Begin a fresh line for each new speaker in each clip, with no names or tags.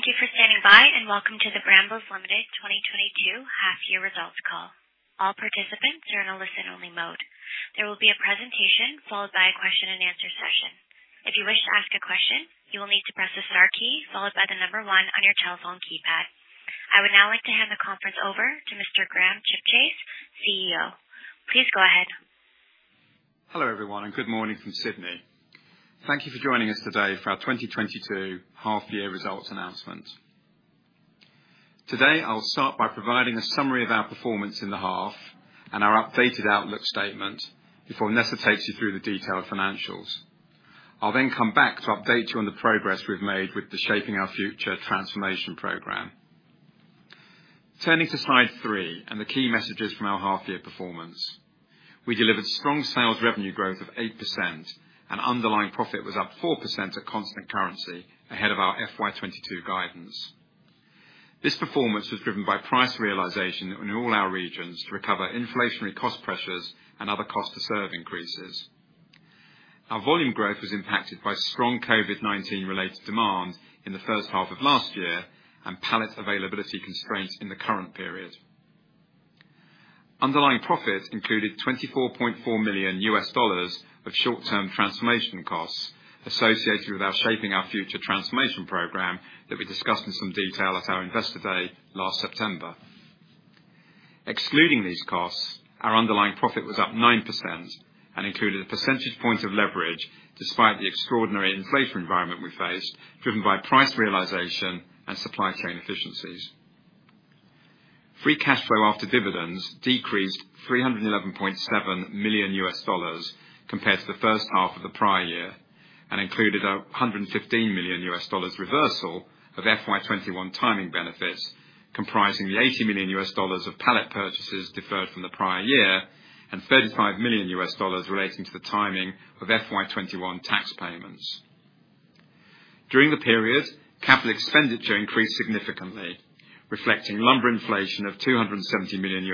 Thank you for standing by, and welcome to the Brambles Limited 2022 half year results call. All participants are in a listen only mode. There will be a presentation followed by a question and answer session. If you wish to ask a question, you will need to press the * key followed by the number one on your telephone keypad. I would now like to hand the conference over to Mr. Graham Chipchase, CEO. Please go ahead.
Hello, everyone, and good morning from Sydney. Thank you for joining us today for our 2022 half year results announcement. Today, I'll start by providing a summary of our performance in the half and our updated outlook statement before Nessa takes you through the detailed financials. I'll then come back to update you on the progress we've made with the Shaping Our Future transformation program. Turning to slide 3 and the key messages from our half year performance. We delivered strong sales revenue growth of 8% and underlying profit was up 4% at constant currency ahead of our FY 2022 guidance. This performance was driven by price realization in all our regions to recover inflationary cost pressures and other cost to serve increases. Our volume growth was impacted by strong COVID-19 related demand in the first half of last year and pallet availability constraints in the current period. Underlying profit included $24.4 million of short-term transformation costs associated with our Shaping Our Future transformation program that we discussed in some detail at our Investor Day last September. Excluding these costs, our underlying profit was up 9% and included a percentage point of leverage despite the extraordinary inflation environment we faced, driven by price realization and supply chain efficiencies. Free cash flow after dividends decreased $311.7 million compared to the first half of the prior year, and included a $115 million reversal of FY 2021 timing benefits, comprising the $80 million of pallet purchases deferred from the prior year and $35 million relating to the timing of FY 2021 tax payments. During the period, capital expenditure increased significantly, reflecting lumber inflation of $270 million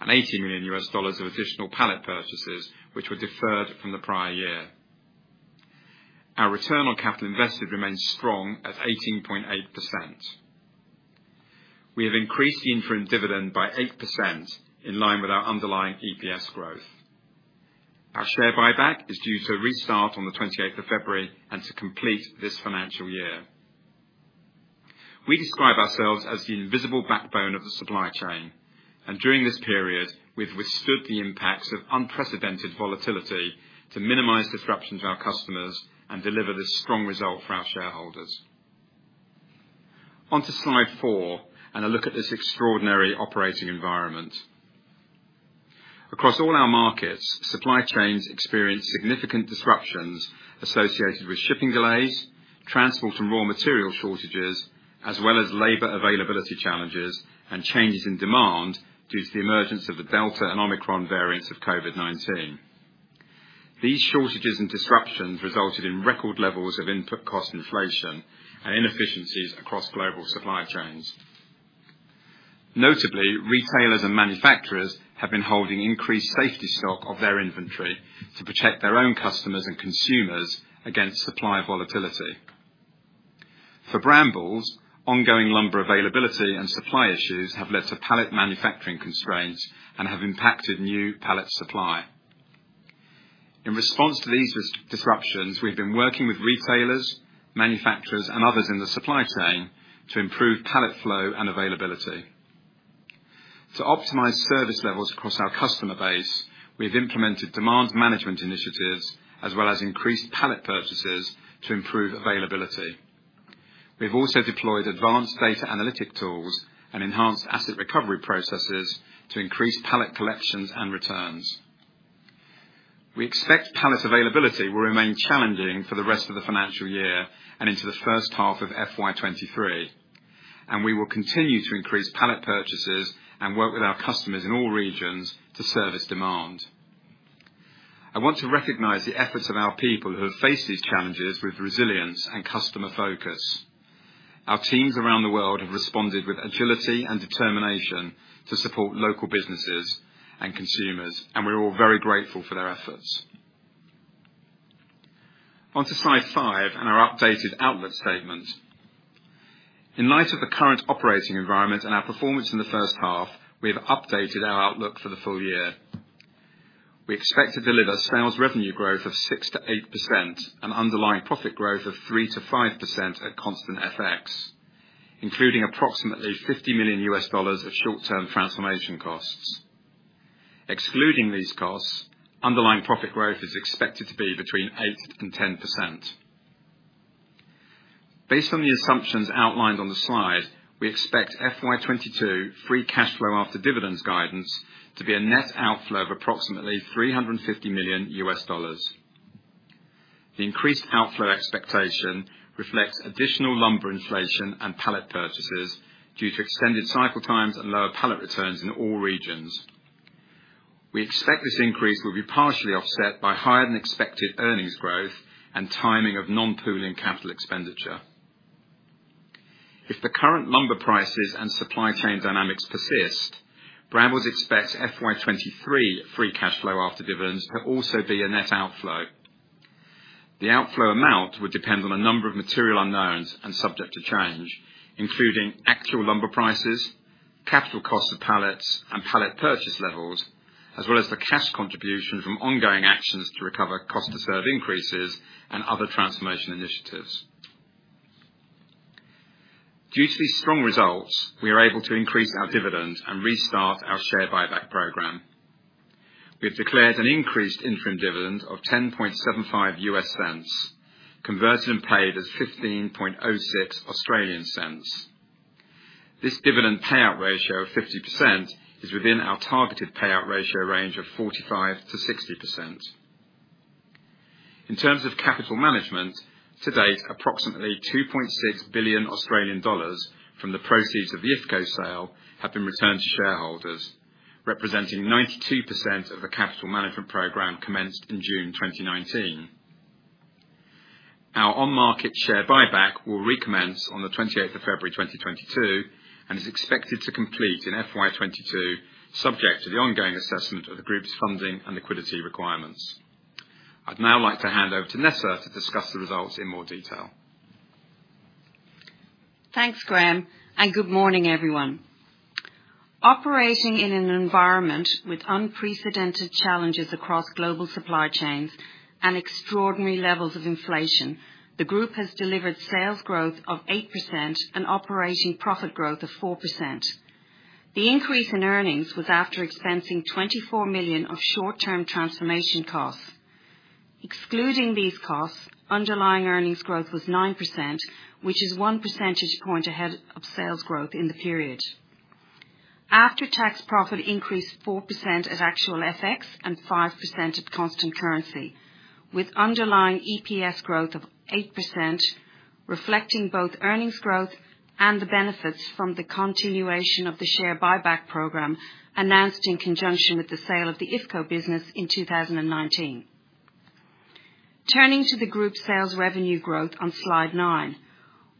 and $80 million of additional pallet purchases, which were deferred from the prior year. Our return on capital invested remains strong at 18.8%. We have increased the interim dividend by 8% in line with our underlying EPS growth. Our share buyback is due to restart on the 28th of February and to complete this financial year. We describe ourselves as the invisible backbone of the supply chain, and during this period, we've withstood the impacts of unprecedented volatility to minimize disruption to our customers and deliver this strong result for our shareholders. On to slide four and a look at this extraordinary operating environment. Across all our markets, supply chains experienced significant disruptions associated with shipping delays, transport and raw material shortages, as well as labor availability challenges and changes in demand due to the emergence of the Delta and Omicron variants of COVID-19. These shortages and disruptions resulted in record levels of input cost inflation and inefficiencies across global supply chains. Notably, retailers and manufacturers have been holding increased safety stock of their inventory to protect their own customers and consumers against supply volatility. For Brambles, ongoing lumber availability and supply issues have led to pallet manufacturing constraints and have impacted new pallet supply. In response to these supply disruptions, we've been working with retailers, manufacturers, and others in the supply chain to improve pallet flow and availability. To optimize service levels across our customer base, we have implemented demand management initiatives as well as increased pallet purchases to improve availability. We've also deployed advanced data analytic tools and enhanced asset recovery processes to increase pallet collections and returns. We expect pallet availability will remain challenging for the rest of the financial year and into the first half of FY 2023, and we will continue to increase pallet purchases and work with our customers in all regions to service demand. I want to recognize the efforts of our people who have faced these challenges with resilience and customer focus. Our teams around the world have responded with agility and determination to support local businesses and consumers, and we're all very grateful for their efforts. On to slide five and our updated outlook statement. In light of the current operating environment and our performance in the first half, we have updated our outlook for the full year. We expect to deliver sales revenue growth of 6%-8% and underlying profit growth of 3%-5% at constant FX, including approximately $50 million of short-term transformation costs. Excluding these costs, underlying profit growth is expected to be between 8% and 10%. Based on the assumptions outlined on the slide, we expect FY 2022 free cash flow after dividends guidance to be a net outflow of approximately $350 million. The increased outflow expectation reflects additional lumber inflation and pallet purchases due to extended cycle times and lower pallet returns in all regions. We expect this increase will be partially offset by higher than expected earnings growth and timing of non-pooling capital expenditure. If the current lumber prices and supply chain dynamics persist, Brambles expects FY 2023 free cash flow after dividends to also be a net outflow. The outflow amount would depend on a number of material unknowns and subject to change, including actual lumber prices, capital cost of pallets and pallet purchase levels, as well as the cash contribution from ongoing actions to recover cost to serve increases and other transformation initiatives. Due to these strong results, we are able to increase our dividend and restart our share buyback program. We have declared an increased interim dividend of $0.1075, converted and paid as 0.1506. This dividend payout ratio of 50% is within our targeted payout ratio range of 45%-60%. In terms of capital management, to date, approximately 2.6 billion Australian dollars from the proceeds of the IFCO sale have been returned to shareholders, representing 92% of the capital management program commenced in June 2019. Our on-market share buyback will recommence on the 28th of February 2022 and is expected to complete in FY 2022, subject to the ongoing assessment of the group's funding and liquidity requirements. I'd now like to hand over to Nessa to discuss the results in more detail.
Thanks, Graham, and good morning, everyone. Operating in an environment with unprecedented challenges across global supply chains and extraordinary levels of inflation, the group has delivered sales growth of 8% and operating profit growth of 4%. The increase in earnings was after expensing $24 million of short-term transformation costs. Excluding these costs, underlying earnings growth was 9%, which is one percentage point ahead of sales growth in the period. After-tax profit increased 4% at actual FX and 5% at constant currency, with underlying EPS growth of 8%, reflecting both earnings growth and the benefits from the continuation of the share buyback program announced in conjunction with the sale of the IFCO business in 2019. Turning to the group sales revenue growth on slide 9.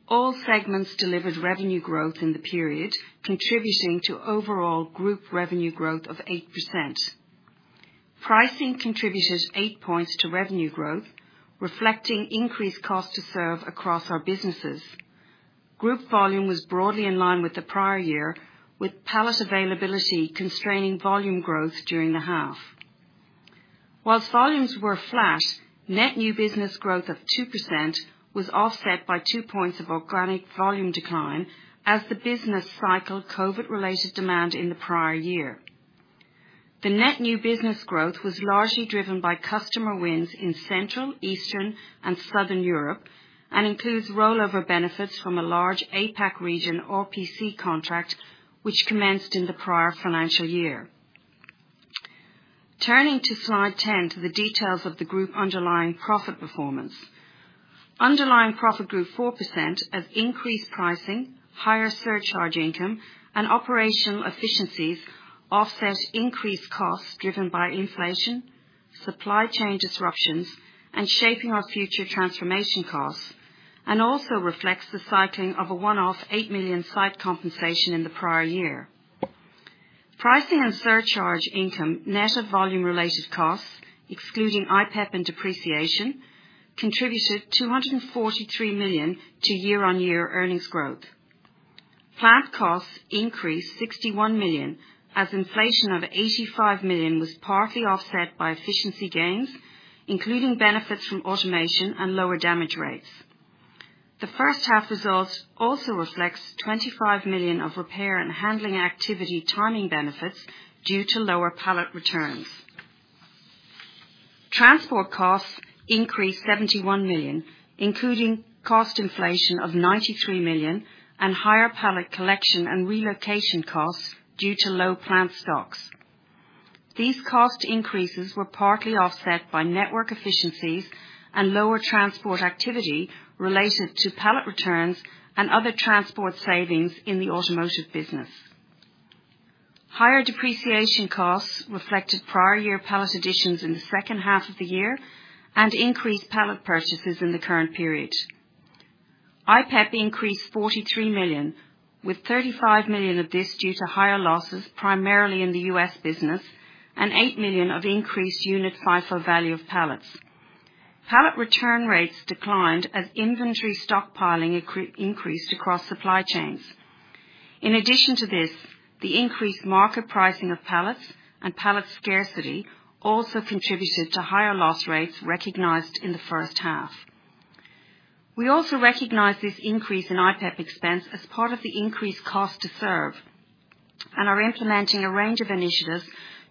All segments delivered revenue growth in the period, contributing to overall group revenue growth of 8%. Pricing contributed 8 points to revenue growth, reflecting increased cost to serve across our businesses. Group volume was broadly in line with the prior year, with pallet availability constraining volume growth during the half. While volumes were flat, net new business growth of 2% was offset by 2 points of organic volume decline as the business cycled COVID-related demand in the prior year. The net new business growth was largely driven by customer wins in Central, Eastern, and Southern Europe and includes rollover benefits from a large APAC region RPC contract, which commenced in the prior financial year. Turning to slide 10 to the details of the group underlying profit performance. Underlying profit grew 4% as increased pricing, higher surcharge income, and operational efficiencies offset increased costs driven by inflation, supply chain disruptions, and Shaping Our Future transformation costs, and also reflects the cycling of a one-off $8 million site compensation in the prior year. Pricing and surcharge income, net of volume related costs, excluding IPEP and depreciation, contributed $243 million to year-on-year earnings growth. Plant costs increased $61 million as inflation of $85 million was partly offset by efficiency gains, including benefits from automation and lower damage rates. The first half results also reflects $25 million of repair and handling activity timing benefits due to lower pallet returns. Transport costs increased $71 million, including cost inflation of $93 million and higher pallet collection and relocation costs due to low plant stocks. These cost increases were partly offset by network efficiencies and lower transport activity related to pallet returns and other transport savings in the automotive business. Higher depreciation costs reflected prior year pallet additions in the second half of the year and increased pallet purchases in the current period. IPEP increased $43 million, with $35 million of this due to higher losses, primarily in the U.S. business, and $8 million of increased unit FIFO value of pallets. Pallet return rates declined as inventory stockpiling increased across supply chains. In addition to this, the increased market pricing of pallets and pallet scarcity also contributed to higher loss rates recognized in the first half. We also recognize this increase in IPEP expense as part of the increased cost to serve and are implementing a range of initiatives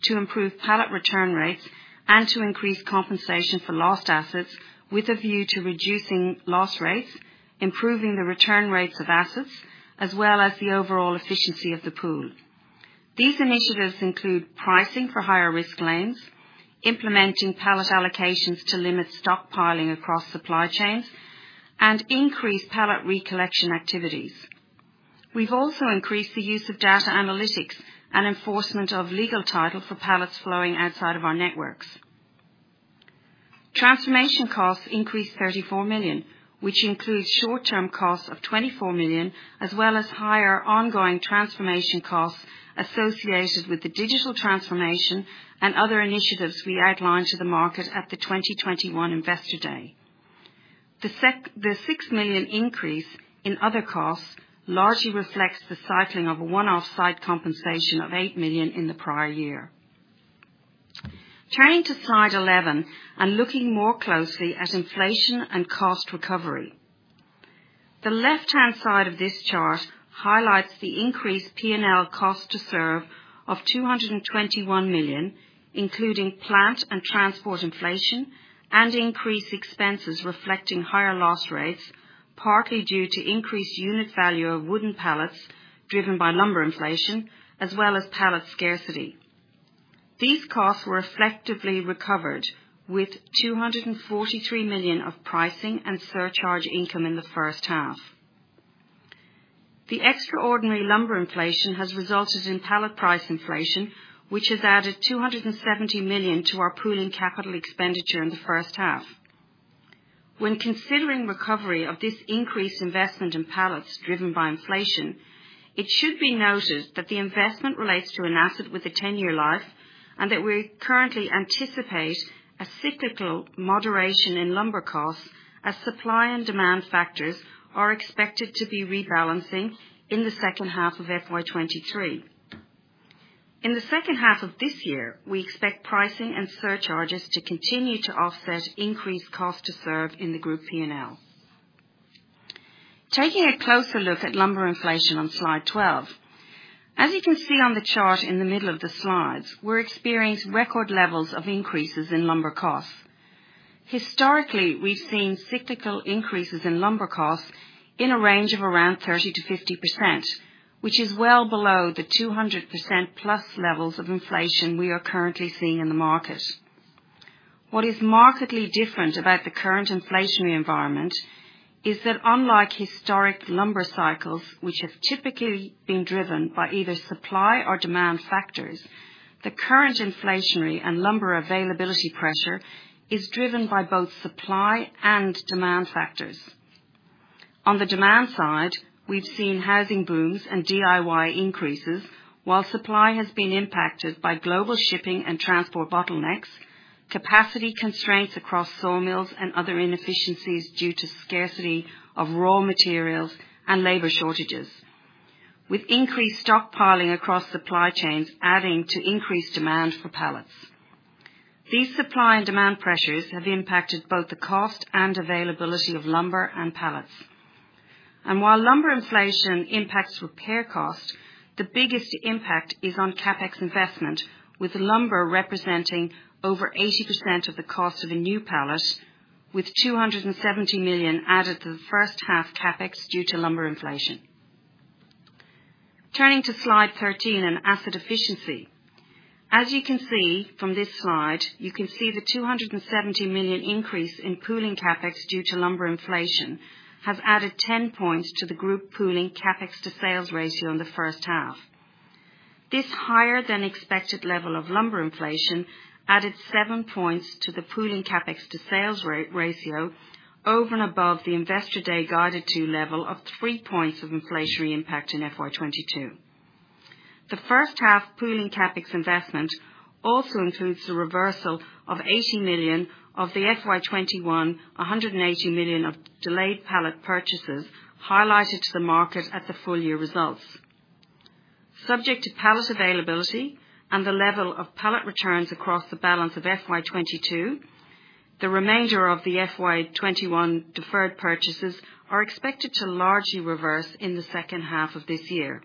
to improve pallet return rates and to increase compensation for lost assets with a view to reducing loss rates, improving the return rates of assets, as well as the overall efficiency of the pool. These initiatives include pricing for higher risk lanes, implementing pallet allocations to limit stockpiling across supply chains, and increase pallet recollection activities. We've also increased the use of data analytics and enforcement of legal title for pallets flowing outside of our networks. Transformation costs increased $34 million, which includes short-term costs of $24 million, as well as higher ongoing transformation costs associated with the digital transformation and other initiatives we outlined to the market at the 2021 Investor Day. The six million increase in other costs largely reflects the cycling of a one-off site compensation of eight million in the prior year. Turning to slide 11, looking more closely at inflation and cost recovery. The left-hand side of this chart highlights the increased P&L cost to serve of $221 million, including plant and transport inflation and increased expenses reflecting higher loss rates, partly due to increased unit value of wooden pallets driven by lumber inflation as well as pallet scarcity. These costs were effectively recovered with $243 million of pricing and surcharge income in the first half. The extraordinary lumber inflation has resulted in pallet price inflation, which has added $270 million to our pooling capital expenditure in the first half. When considering recovery of this increased investment in pallets driven by inflation, it should be noted that the investment relates to an asset with a 10-year life, and that we currently anticipate a cyclical moderation in lumber costs as supply and demand factors are expected to be rebalancing in the second half of FY 2023. In the second half of this year, we expect pricing and surcharges to continue to offset increased cost to serve in the group P&L. Taking a closer look at lumber inflation on slide 12. As you can see on the chart in the middle of the slides, we've experienced record levels of increases in lumber costs. Historically, we've seen cyclical increases in lumber costs in a range of around 30%-50%, which is well below the 200%+ levels of inflation we are currently seeing in the market. What is markedly different about the current inflationary environment is that unlike historic lumber cycles, which have typically been driven by either supply or demand factors, the current inflationary and lumber availability pressure is driven by both supply and demand factors. On the demand side, we've seen housing booms and DIY increases, while supply has been impacted by global shipping and transport bottlenecks, capacity constraints across sawmills and other inefficiencies due to scarcity of raw materials and labor shortages, with increased stockpiling across supply chains adding to increased demand for pallets. These supply and demand pressures have impacted both the cost and availability of lumber and pallets. While lumber inflation impacts repair costs, the biggest impact is on CapEx investment, with lumber representing over 80% of the cost of a new pallet, with $270 million added to the first half CapEx due to lumber inflation. Turning to slide 13 in asset efficiency. As you can see from this slide, you can see the $270 million increase in pooling CapEx due to lumber inflation has added 10 points to the group pooling CapEx to sales ratio in the first half. This higher than expected level of lumber inflation added 7 points to the pooling CapEx to sales ratio over and above the Investor Day guided to level of 3 points of inflationary impact in FY 2022. The first half pooling CapEx investment also includes the reversal of $80 million of the FY 2021, $180 million of delayed pallet purchases highlighted to the market at the full year results. Subject to pallet availability and the level of pallet returns across the balance of FY 2022, the remainder of the FY 2021 deferred purchases are expected to largely reverse in the second half of this year.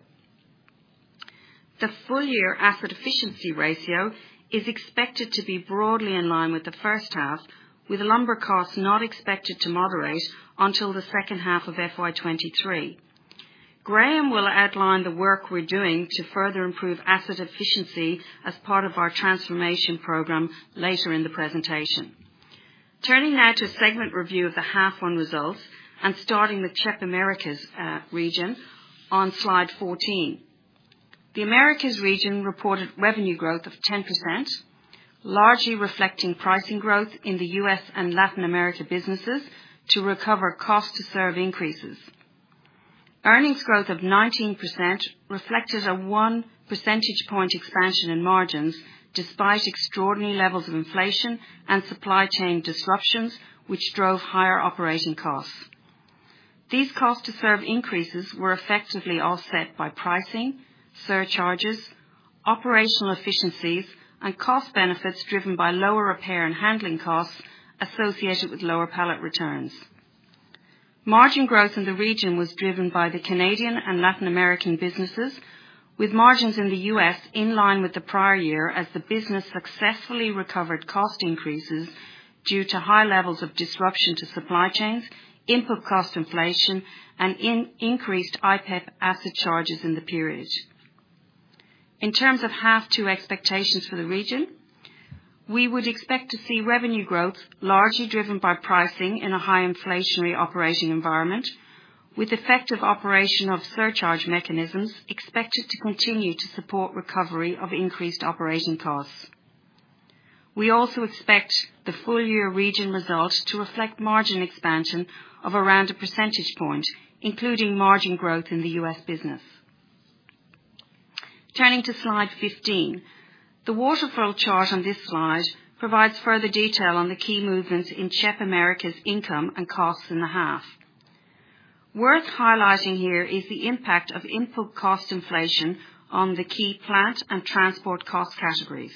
The full year asset efficiency ratio is expected to be broadly in line with the first half, with lumber costs not expected to moderate until the second half of FY 2023. Graham will outline the work we're doing to further improve asset efficiency as part of our transformation program later in the presentation. Turning now to a segment review of the half one results and starting with CHEP Americas region on slide 14. The Americas region reported revenue growth of 10%, largely reflecting pricing growth in the U.S. and Latin America businesses to recover cost to serve increases. Earnings growth of 19% reflected a 1 percentage point expansion in margins despite extraordinary levels of inflation and supply chain disruptions, which drove higher operating costs. These cost to serve increases were effectively offset by pricing, surcharges, operational efficiencies, and cost benefits driven by lower repair and handling costs associated with lower pallet returns. Margin growth in the region was driven by the Canadian and Latin American businesses, with margins in the U.S. in line with the prior year as the business successfully recovered cost increases due to high levels of disruption to supply chains, input cost inflation, and increased IPEP asset charges in the period. In terms of H2 expectations for the region, we would expect to see revenue growth largely driven by pricing in a high inflationary operating environment. With effective operation of surcharge mechanisms expected to continue to support recovery of increased operating costs. We also expect the full year region results to reflect margin expansion of around 1 percentage point, including margin growth in the U.S. business. Turning to slide 15. The waterfall chart on this slide provides further detail on the key movements in CHEP Americas' income and costs in the half. Worth highlighting here is the impact of input cost inflation on the key plant and transport cost categories.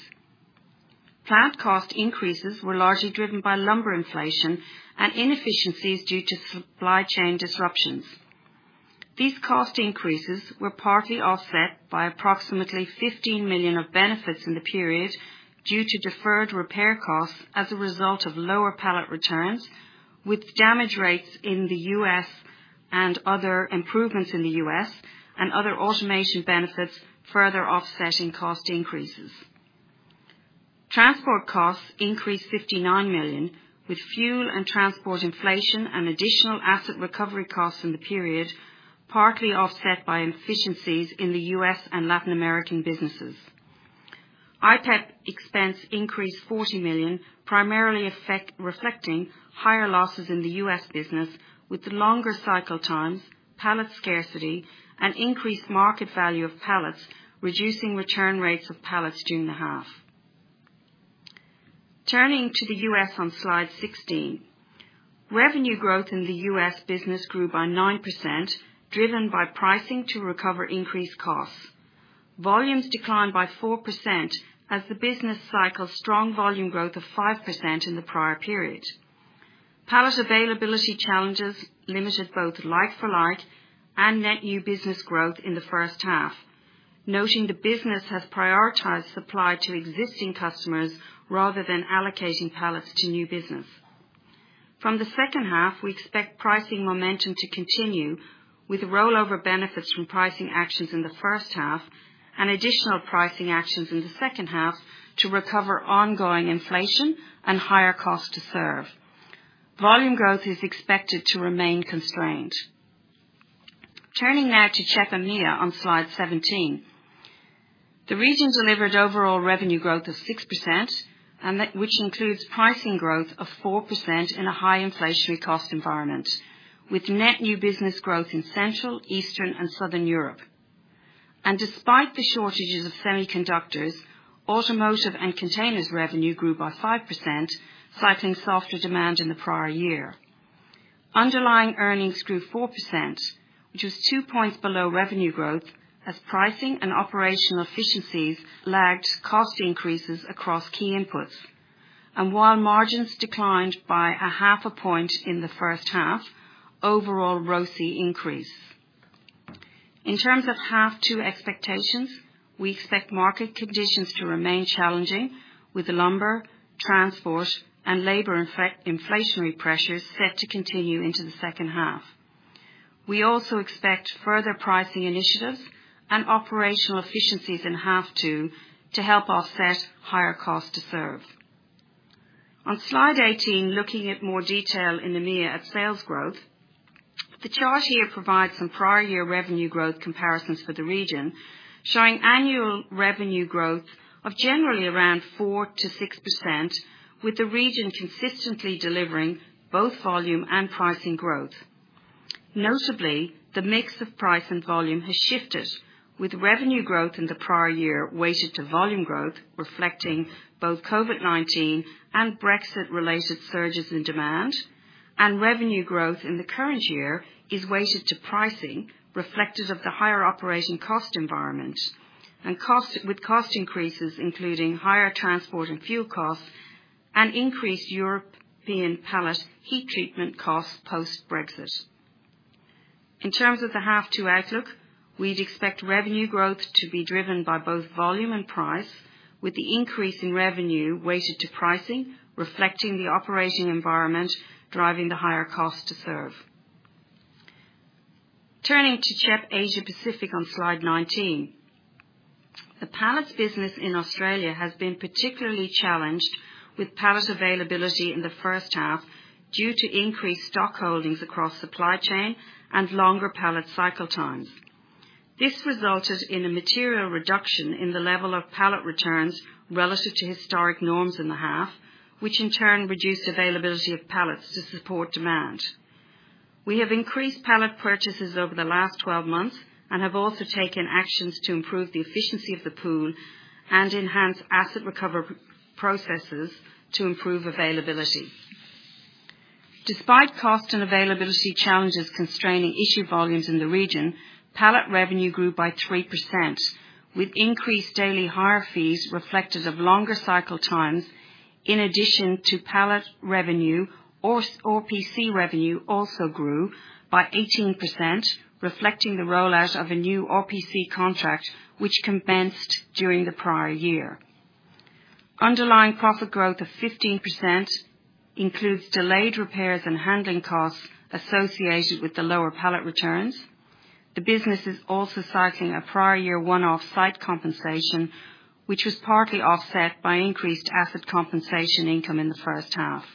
Plant cost increases were largely driven by lumber inflation and inefficiencies due to supply chain disruptions. These cost increases were partly offset by approximately $15 million of benefits in the period due to deferred repair costs as a result of lower pallet returns, with damage rates in the U.S. and other improvements in the U.S. and other automation benefits further offsetting cost increases. Transport costs increased $59 million, with fuel and transport inflation and additional asset recovery costs in the period, partly offset by inefficiencies in the U.S. and Latin American businesses. IPEP expense increased $40 million primarily reflecting higher losses in the U.S. business, with longer cycle times, pallet scarcity and increased market value of pallets, reducing return rates of pallets during the half. Turning to the U.S. on slide 16. Revenue growth in the U.S. business grew by 9% driven by pricing to recover increased costs. Volumes declined by 4% as the business cycled from strong volume growth of 5% in the prior period. Pallet availability challenges limited both like-for-like and net new business growth in the first half. Noting the business has prioritized supply to existing customers rather than allocating pallets to new business. From the second half, we expect pricing momentum to continue with rollover benefits from pricing actions in the first half and additional pricing actions in the second half to recover ongoing inflation and higher cost to serve. Volume growth is expected to remain constrained. Turning now to CHEP EMEA on slide 17. The region delivered overall revenue growth of 6% which includes pricing growth of 4% in a high inflationary cost environment, with net new business growth in Central, Eastern and Southern Europe. Despite the shortages of semiconductors, automotive and containers revenue grew by 5%, versus softer demand in the prior year. Underlying earnings grew 4%, which is 2 points below revenue growth as pricing and operational efficiencies lagged cost increases across key inputs. While margins declined by 0.5 point in the first half, overall ROCE increased. In terms of half two expectations, we expect market conditions to remain challenging with the lumber, transport and labor inflationary pressures set to continue into the second half. We also expect further pricing initiatives and operational efficiencies in half two to help offset higher costs to serve. On slide 18, looking at more detail in the EMEA at sales growth. The chart here provides some prior year revenue growth comparisons for the region, showing annual revenue growth of generally around 4%-6%, with the region consistently delivering both volume and pricing growth. Notably, the mix of price and volume has shifted, with revenue growth in the prior year weighted to volume growth, reflecting both COVID-19 and Brexit related surges in demand. Revenue growth in the current year is weighted to pricing reflective of the higher operating cost environment and cost... With cost increases, including higher transport and fuel costs and increased European pallet heat treatment costs post-Brexit. In terms of the H2 outlook, we'd expect revenue growth to be driven by both volume and price, with the increase in revenue weighted to pricing, reflecting the operating environment, driving the higher cost to serve. Turning to CHEP Asia-Pacific on slide 19. The pallets business in Australia has been particularly challenged with pallet availability in the first half due to increased stock holdings across supply chain and longer pallet cycle times. This resulted in a material reduction in the level of pallet returns relative to historic norms in the half, which in turn reduced availability of pallets to support demand. We have increased pallet purchases over the last 12 months and have also taken actions to improve the efficiency of the pool and enhance asset recovery processes to improve availability. Despite cost and availability challenges constraining issue volumes in the region, pallet revenue grew by 3%, with increased daily higher fees reflective of longer cycle times. In addition to pallet revenue, RPC revenue also grew by 18%, reflecting the rollout of a new RPC contract which commenced during the prior year. Underlying profit growth of 15% includes delayed repairs and handling costs associated with the lower pallet returns. The business is also cycling a prior year one-off site compensation, which was partly offset by increased asset compensation income in the first half.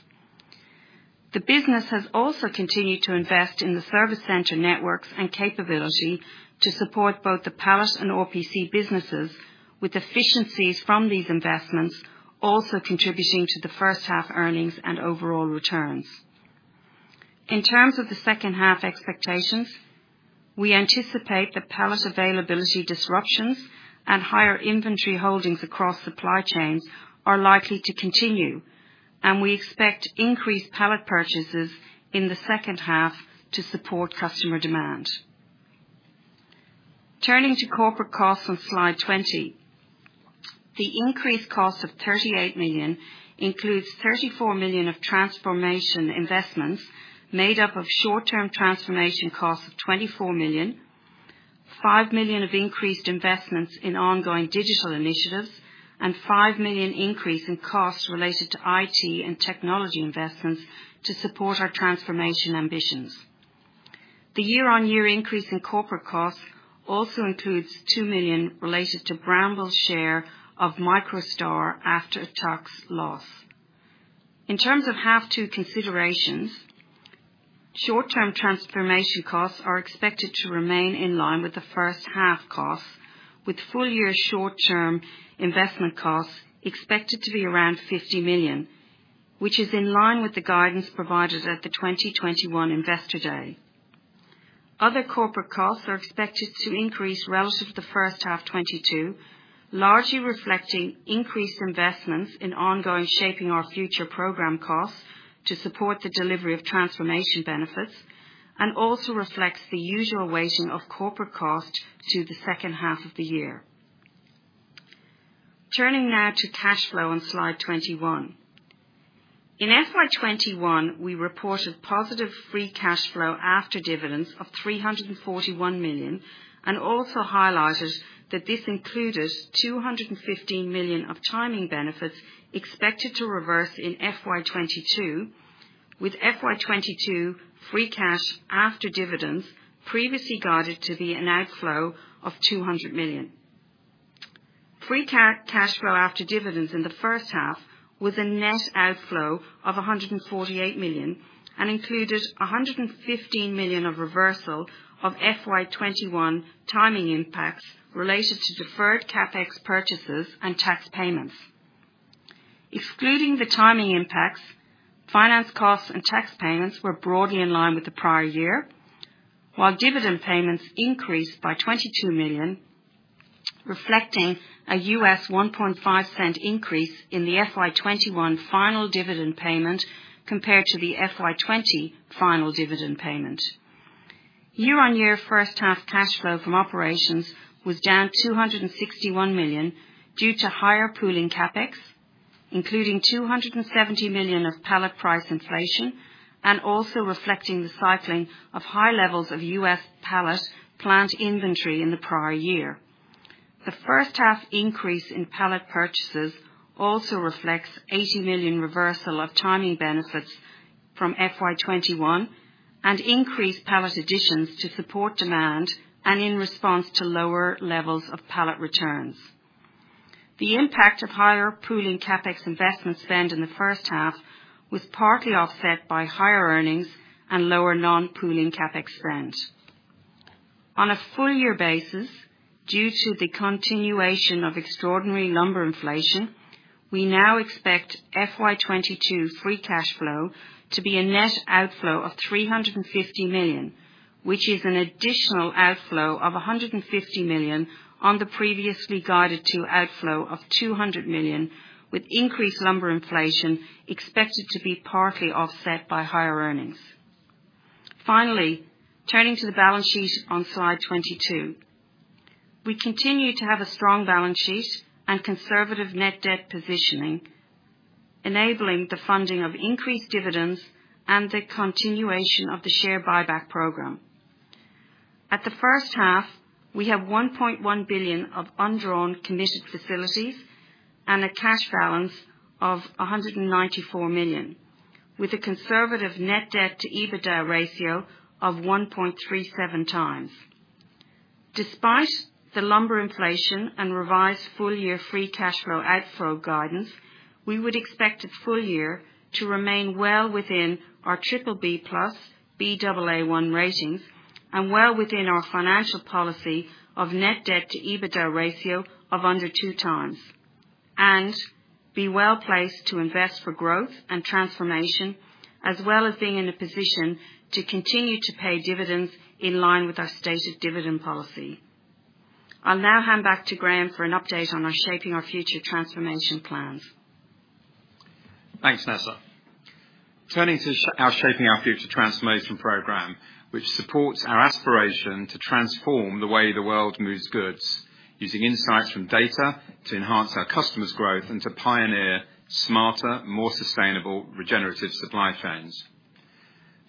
The business has also continued to invest in the service center networks and capability to support both the pallet and RPC businesses with efficiencies from these investments, also contributing to the first half earnings and overall returns. In terms of the second half expectations, we anticipate the pallet availability disruptions and higher inventory holdings across supply chains are likely to continue, and we expect increased pallet purchases in the second half to support customer demand. Turning to corporate costs on slide 20. The increased cost of 38 million includes 34 million of transformation investments made up of short-term transformation costs of 24 million, 5 million of increased investments in ongoing digital initiatives, and 5 million increase in costs related to IT and technology investments to support our transformation ambitions. The year-on-year increase in corporate costs also includes 2 million related to Brambles' share of MicroStar after-tax loss. In terms of H2 considerations, short-term transformation costs are expected to remain in line with the first half costs, with full year short-term investment costs expected to be around $50 million, which is in line with the guidance provided at the 2021 Investor Day. Other corporate costs are expected to increase relative to the first half 2022, largely reflecting increased investments in ongoing Shaping Our Future program costs to support the delivery of transformation benefits, and also reflects the usual weighting of corporate cost to the second half of the year. Turning now to cash flow on slide 21. In FY 2021, we reported positive free cash flow after dividends of $341 million, and also highlighted that this included $215 million of timing benefits expected to reverse in FY 2022, with FY 2022 free cash after dividends previously guided to be an outflow of $200 million. Free cash flow after dividends in the first half was a net outflow of $148 million and included $115 million of reversal of FY 2021 timing impacts related to deferred CapEx purchases and tax payments. Excluding the timing impacts, finance costs and tax payments were broadly in line with the prior year, while dividend payments increased by $22 million, reflecting a U.S., 1.5 cent increase in the FY 2021 final dividend payment compared to the FY 2020 final dividend payment. Year-on-year first half cash flow from operations was down $261 million due to higher pooling CapEx, including $270 million of pallet price inflation and also reflecting the cycling of high levels of U.S., pallet plant inventory in the prior year. The first half increase in pallet purchases also reflects $80 million reversal of timing benefits from FY 2021 and increased pallet additions to support demand and in response to lower levels of pallet returns. The impact of higher pooling CapEx investment spend in the first half was partly offset by higher earnings and lower non-pooling CapEx spend. On a full year basis, due to the continuation of extraordinary lumber inflation, we now expect FY 2022 free cash flow to be a net outflow of $350 million, which is an additional outflow of $150 million on the previously guided to outflow of $200 million, with increased lumber inflation expected to be partly offset by higher earnings. Finally, turning to the balance sheet on slide 22. We continue to have a strong balance sheet and conservative net debt positioning, enabling the funding of increased dividends and the continuation of the share buyback program. At the first half, we have $1.1 billion of undrawn committed facilities and a cash balance of $194 million, with a conservative net debt to EBITDA ratio of 1.37 times. Despite the lumber inflation and revised full year free cash flow outflow guidance, we would expect the full year to remain well within our BBB+ Baa1 ratings and well within our financial policy of net debt to EBITDA ratio of under 2x, and be well-placed to invest for growth and transformation, as well as being in a position to continue to pay dividends in line with our stated dividend policy. I'll now hand back to Graham for an update on our Shaping Our Future transformation plans.
Thanks, Nessa. Turning to our Shaping Our Future transformation program, which supports our aspiration to transform the way the world moves goods, using insights from data to enhance our customers' growth and to pioneer smarter, more sustainable regenerative supply chains.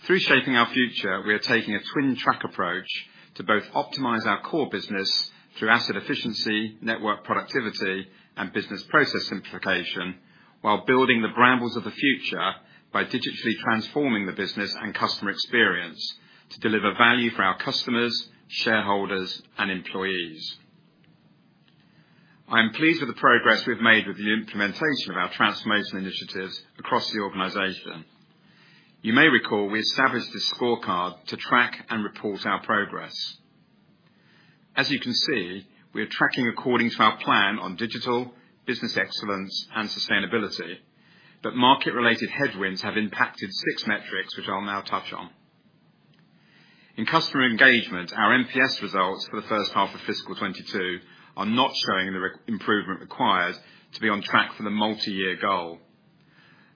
Through Shaping Our Future, we are taking a twin track approach to both optimize our core business through asset efficiency, network productivity and business process simplification, while building the Brambles of the future by digitally transforming the business and customer experience to deliver value for our customers, shareholders and employees. I'm pleased with the progress we've made with the implementation of our transformation initiatives across the organization. You may recall we established this scorecard to track and report our progress. As you can see, we are tracking according to our plan on digital, business excellence, and sustainability. Market-related headwinds have impacted six metrics, which I'll now touch on. In customer engagement, our NPS results for the first half of fiscal 2022 are not showing the improvement required to be on track for the multi-year goal.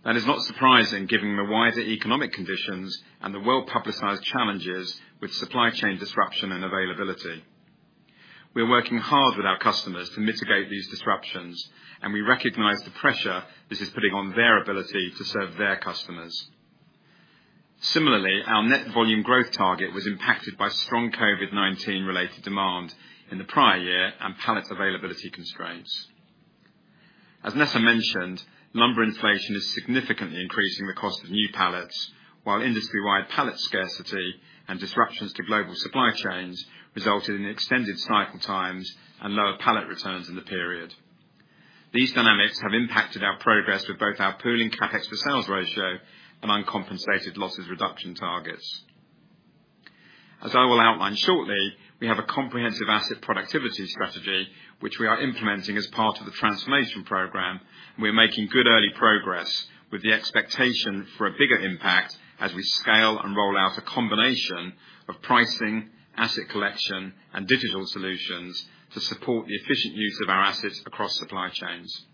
That is not surprising given the wider economic conditions and the well-publicized challenges with supply chain disruption and availability. We are working hard with our customers to mitigate these disruptions, and we recognize the pressure this is putting on their ability to serve their customers. Similarly, our net volume growth target was impacted by strong COVID-19 related demand in the prior year and pallet availability constraints. As Nessa mentioned, lumber inflation is significantly increasing the cost of new pallets while industry-wide pallet scarcity and disruptions to global supply chains resulted in extended cycle times and lower pallet returns in the period. These dynamics have impacted our progress with both our pooling CapEx for sales ratio and uncompensated losses reduction targets. As I will outline shortly, we have a comprehensive asset productivity strategy which we are implementing as part of the transformation program, and we're making good early progress with the expectation for a bigger impact as we scale and roll out a combination of pricing, asset collection, and digital solutions to support the efficient use of our assets across supply chains.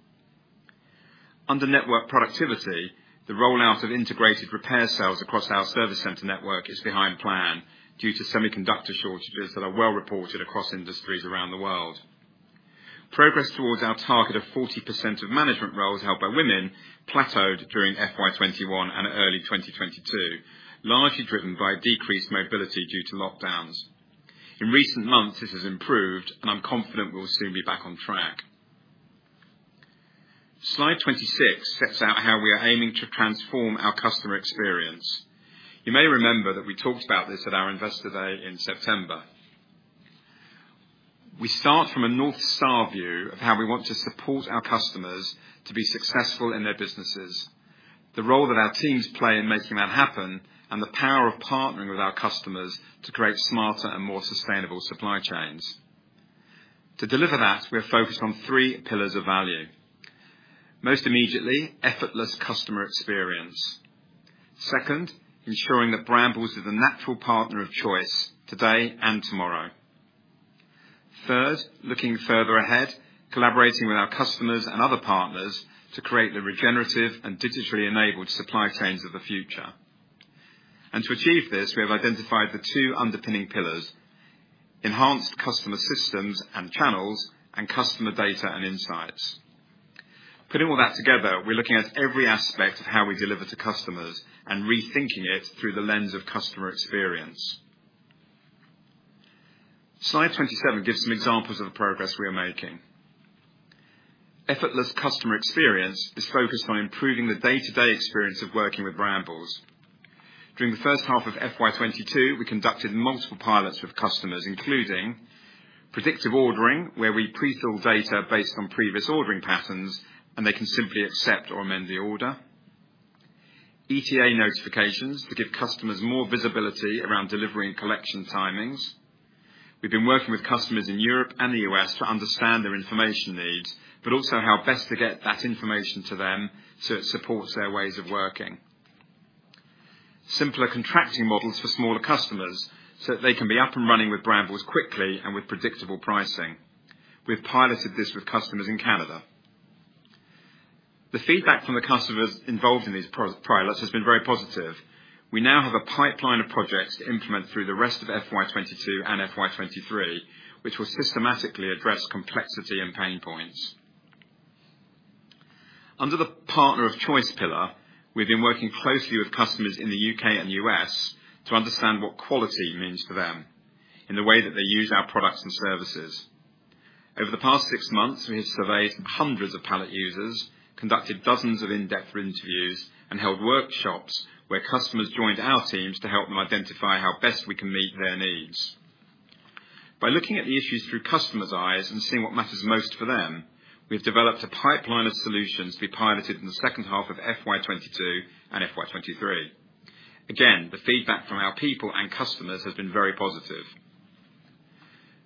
Under network productivity, the rollout of integrated repair cells across our service center network is behind plan due to semiconductor shortages that are well reported across industries around the world. Progress towards our target of 40% of management roles held by women plateaued during FY 2021 and early 2022, largely driven by decreased mobility due to lockdowns. In recent months, this has improved and I'm confident we'll soon be back on track. Slide 26 sets out how we are aiming to transform our customer experience. You may remember that we talked about this at our investor day in September. We start from a north star view of how we want to support our customers to be successful in their businesses, the role that our teams play in making that happen, and the power of partnering with our customers to create smarter and more sustainable supply chains. To deliver that, we are focused on three pillars of value. Most immediately, effortless customer experience. Second, ensuring that Brambles is the natural partner of choice today and tomorrow. Third, looking further ahead, collaborating with our customers and other partners to create the regenerative and digitally enabled supply chains of the future. To achieve this, we have identified the two underpinning pillars, enhanced customer systems and channels and customer data and insights. Putting all that together, we're looking at every aspect of how we deliver to customers and rethinking it through the lens of customer experience. Slide 27 gives some examples of the progress we are making. Effortless customer experience is focused on improving the day-to-day experience of working with Brambles. During the first half of FY 2022, we conducted multiple pilots with customers, including predictive ordering, where we pre-fill data based on previous ordering patterns, and they can simply accept or amend the order, ETA notifications to give customers more visibility around delivery and collection timings. We've been working with customers in Europe and the U.S., to understand their information needs, but also how best to get that information to them so it supports their ways of working. Simpler contracting models for smaller customers so that they can be up and running with Brambles quickly and with predictable pricing. We've piloted this with customers in Canada. The feedback from the customers involved in these pilots has been very positive. We now have a pipeline of projects to implement through the rest of FY 2022 and FY 2023, which will systematically address complexity and pain points. Under the partner of choice pillar, we've been working closely with customers in the U.K. and U.S., to understand what quality means to them in the way that they use our products and services. Over the past six months, we have surveyed hundreds of pallet users, conducted dozens of in-depth interviews, and held workshops where customers joined our teams to help them identify how best we can meet their needs. By looking at the issues through customers' eyes and seeing what matters most for them, we've developed a pipeline of solutions to be piloted in the second half of FY 2022 and FY 2023. Again, the feedback from our people and customers has been very positive.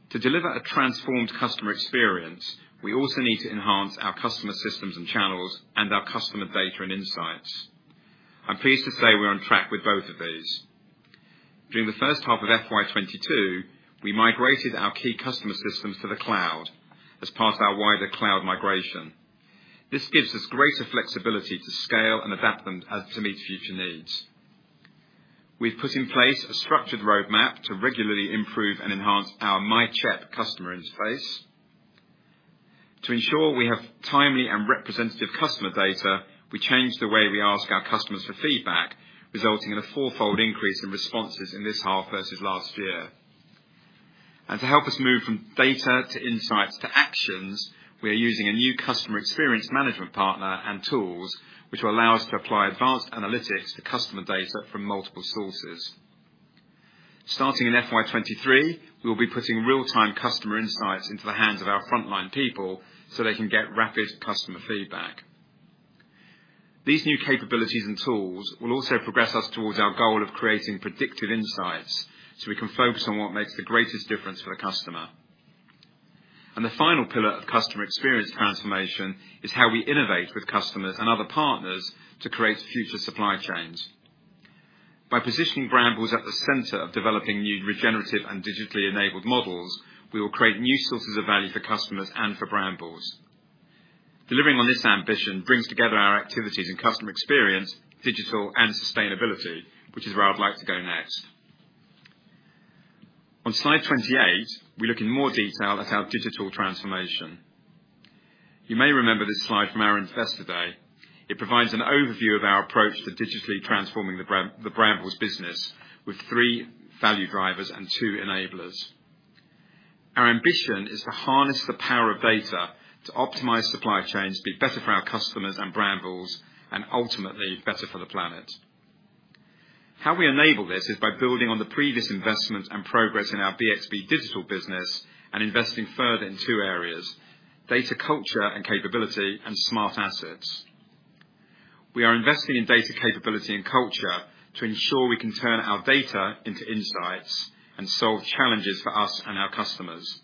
To deliver a transformed customer experience, we also need to enhance our customer systems and channels and our customer data and insights. I'm pleased to say we're on track with both of these. During the first half of FY 2022, we migrated our key customer systems to the cloud as part of our wider cloud migration. This gives us greater flexibility to scale and adapt them to meet future needs. We've put in place a structured roadmap to regularly improve and enhance our myCHEP customer interface. To ensure we have timely and representative customer data, we changed the way we ask our customers for feedback, resulting in a four-fold increase in responses in this half versus last year. To help us move from data, to insights, to actions, we are using a new customer experience management partner and tools which will allow us to apply advanced analytics to customer data from multiple sources. Starting in FY 2023, we will be putting real-time customer insights into the hands of our frontline people so they can get rapid customer feedback. These new capabilities and tools will also progress us towards our goal of creating predictive insights, so we can focus on what makes the greatest difference for the customer. The final pillar of customer experience transformation is how we innovate with customers and other partners to create future supply chains. By positioning Brambles at the center of developing new regenerative and digitally enabled models, we will create new sources of value for customers and for Brambles. Delivering on this ambition brings together our activities in customer experience, digital and sustainability, which is where I'd like to go next. On slide 28, we look in more detail at our digital transformation. You may remember this slide from our Investor Day. It provides an overview of our approach to digitally transforming the Brambles business with three value drivers and two enablers. Our ambition is to harness the power of data to optimize supply chains to be better for our customers and Brambles and ultimately better for the planet. How we enable this is by building on the previous investments and progress in our BXB digital business and investing further in two areas, data culture and capability and smart assets. We are investing in data capability and culture to ensure we can turn our data into insights and solve challenges for us and our customers.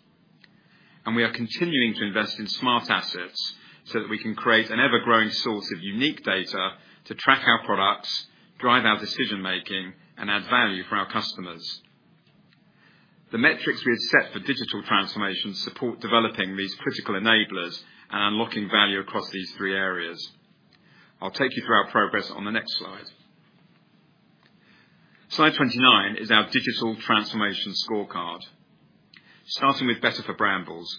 We are continuing to invest in smart assets so that we can create an ever-growing source of unique data to track our products, drive our decision-making, and add value for our customers. The metrics we have set for digital transformation support developing these critical enablers and unlocking value across these three areas. I'll take you through our progress on the next slide. Slide 29 is our digital transformation scorecard. Starting with Better for Brambles.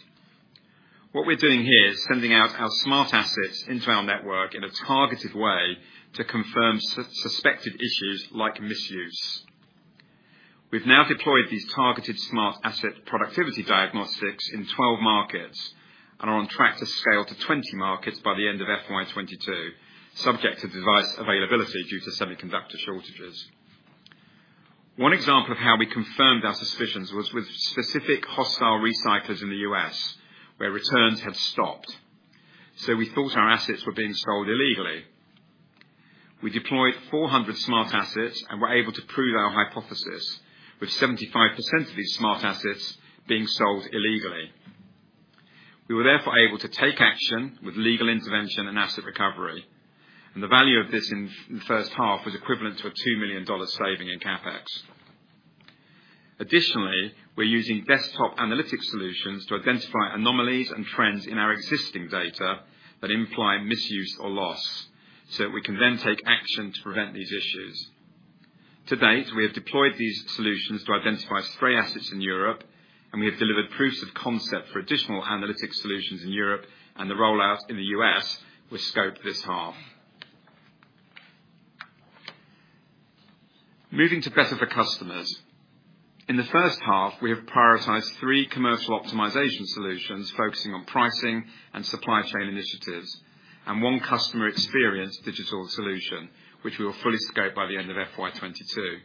What we're doing here is sending out our smart assets into our network in a targeted way to confirm suspected issues like misuse. We've now deployed these targeted smart asset productivity diagnostics in 12 markets and are on track to scale to 20 markets by the end of FY 2022, subject to device availability due to semiconductor shortages. One example of how we confirmed our suspicions was with specific hostile recyclers in the U.S., where returns had stopped. We thought our assets were being sold illegally. We deployed 400 smart assets and were able to prove our hypothesis, with 75% of these smart assets being sold illegally. We were therefore able to take action with legal intervention and asset recovery, and the value of this in the first half was equivalent to a $2 million saving in CapEx. Additionally, we're using desktop analytics solutions to identify anomalies and trends in our existing data that imply misuse or loss, so we can then take action to prevent these issues. To date, we have deployed these solutions to identify stray assets in Europe, and we have delivered proofs of concept for additional analytics solutions in Europe and the rollout in the U.S., was scoped this half. Moving to better for customers. In the first half, we have prioritized three commercial optimization solutions, focusing on pricing and supply chain initiatives, and one customer experience digital solution, which we will fully scope by the end of FY 2022.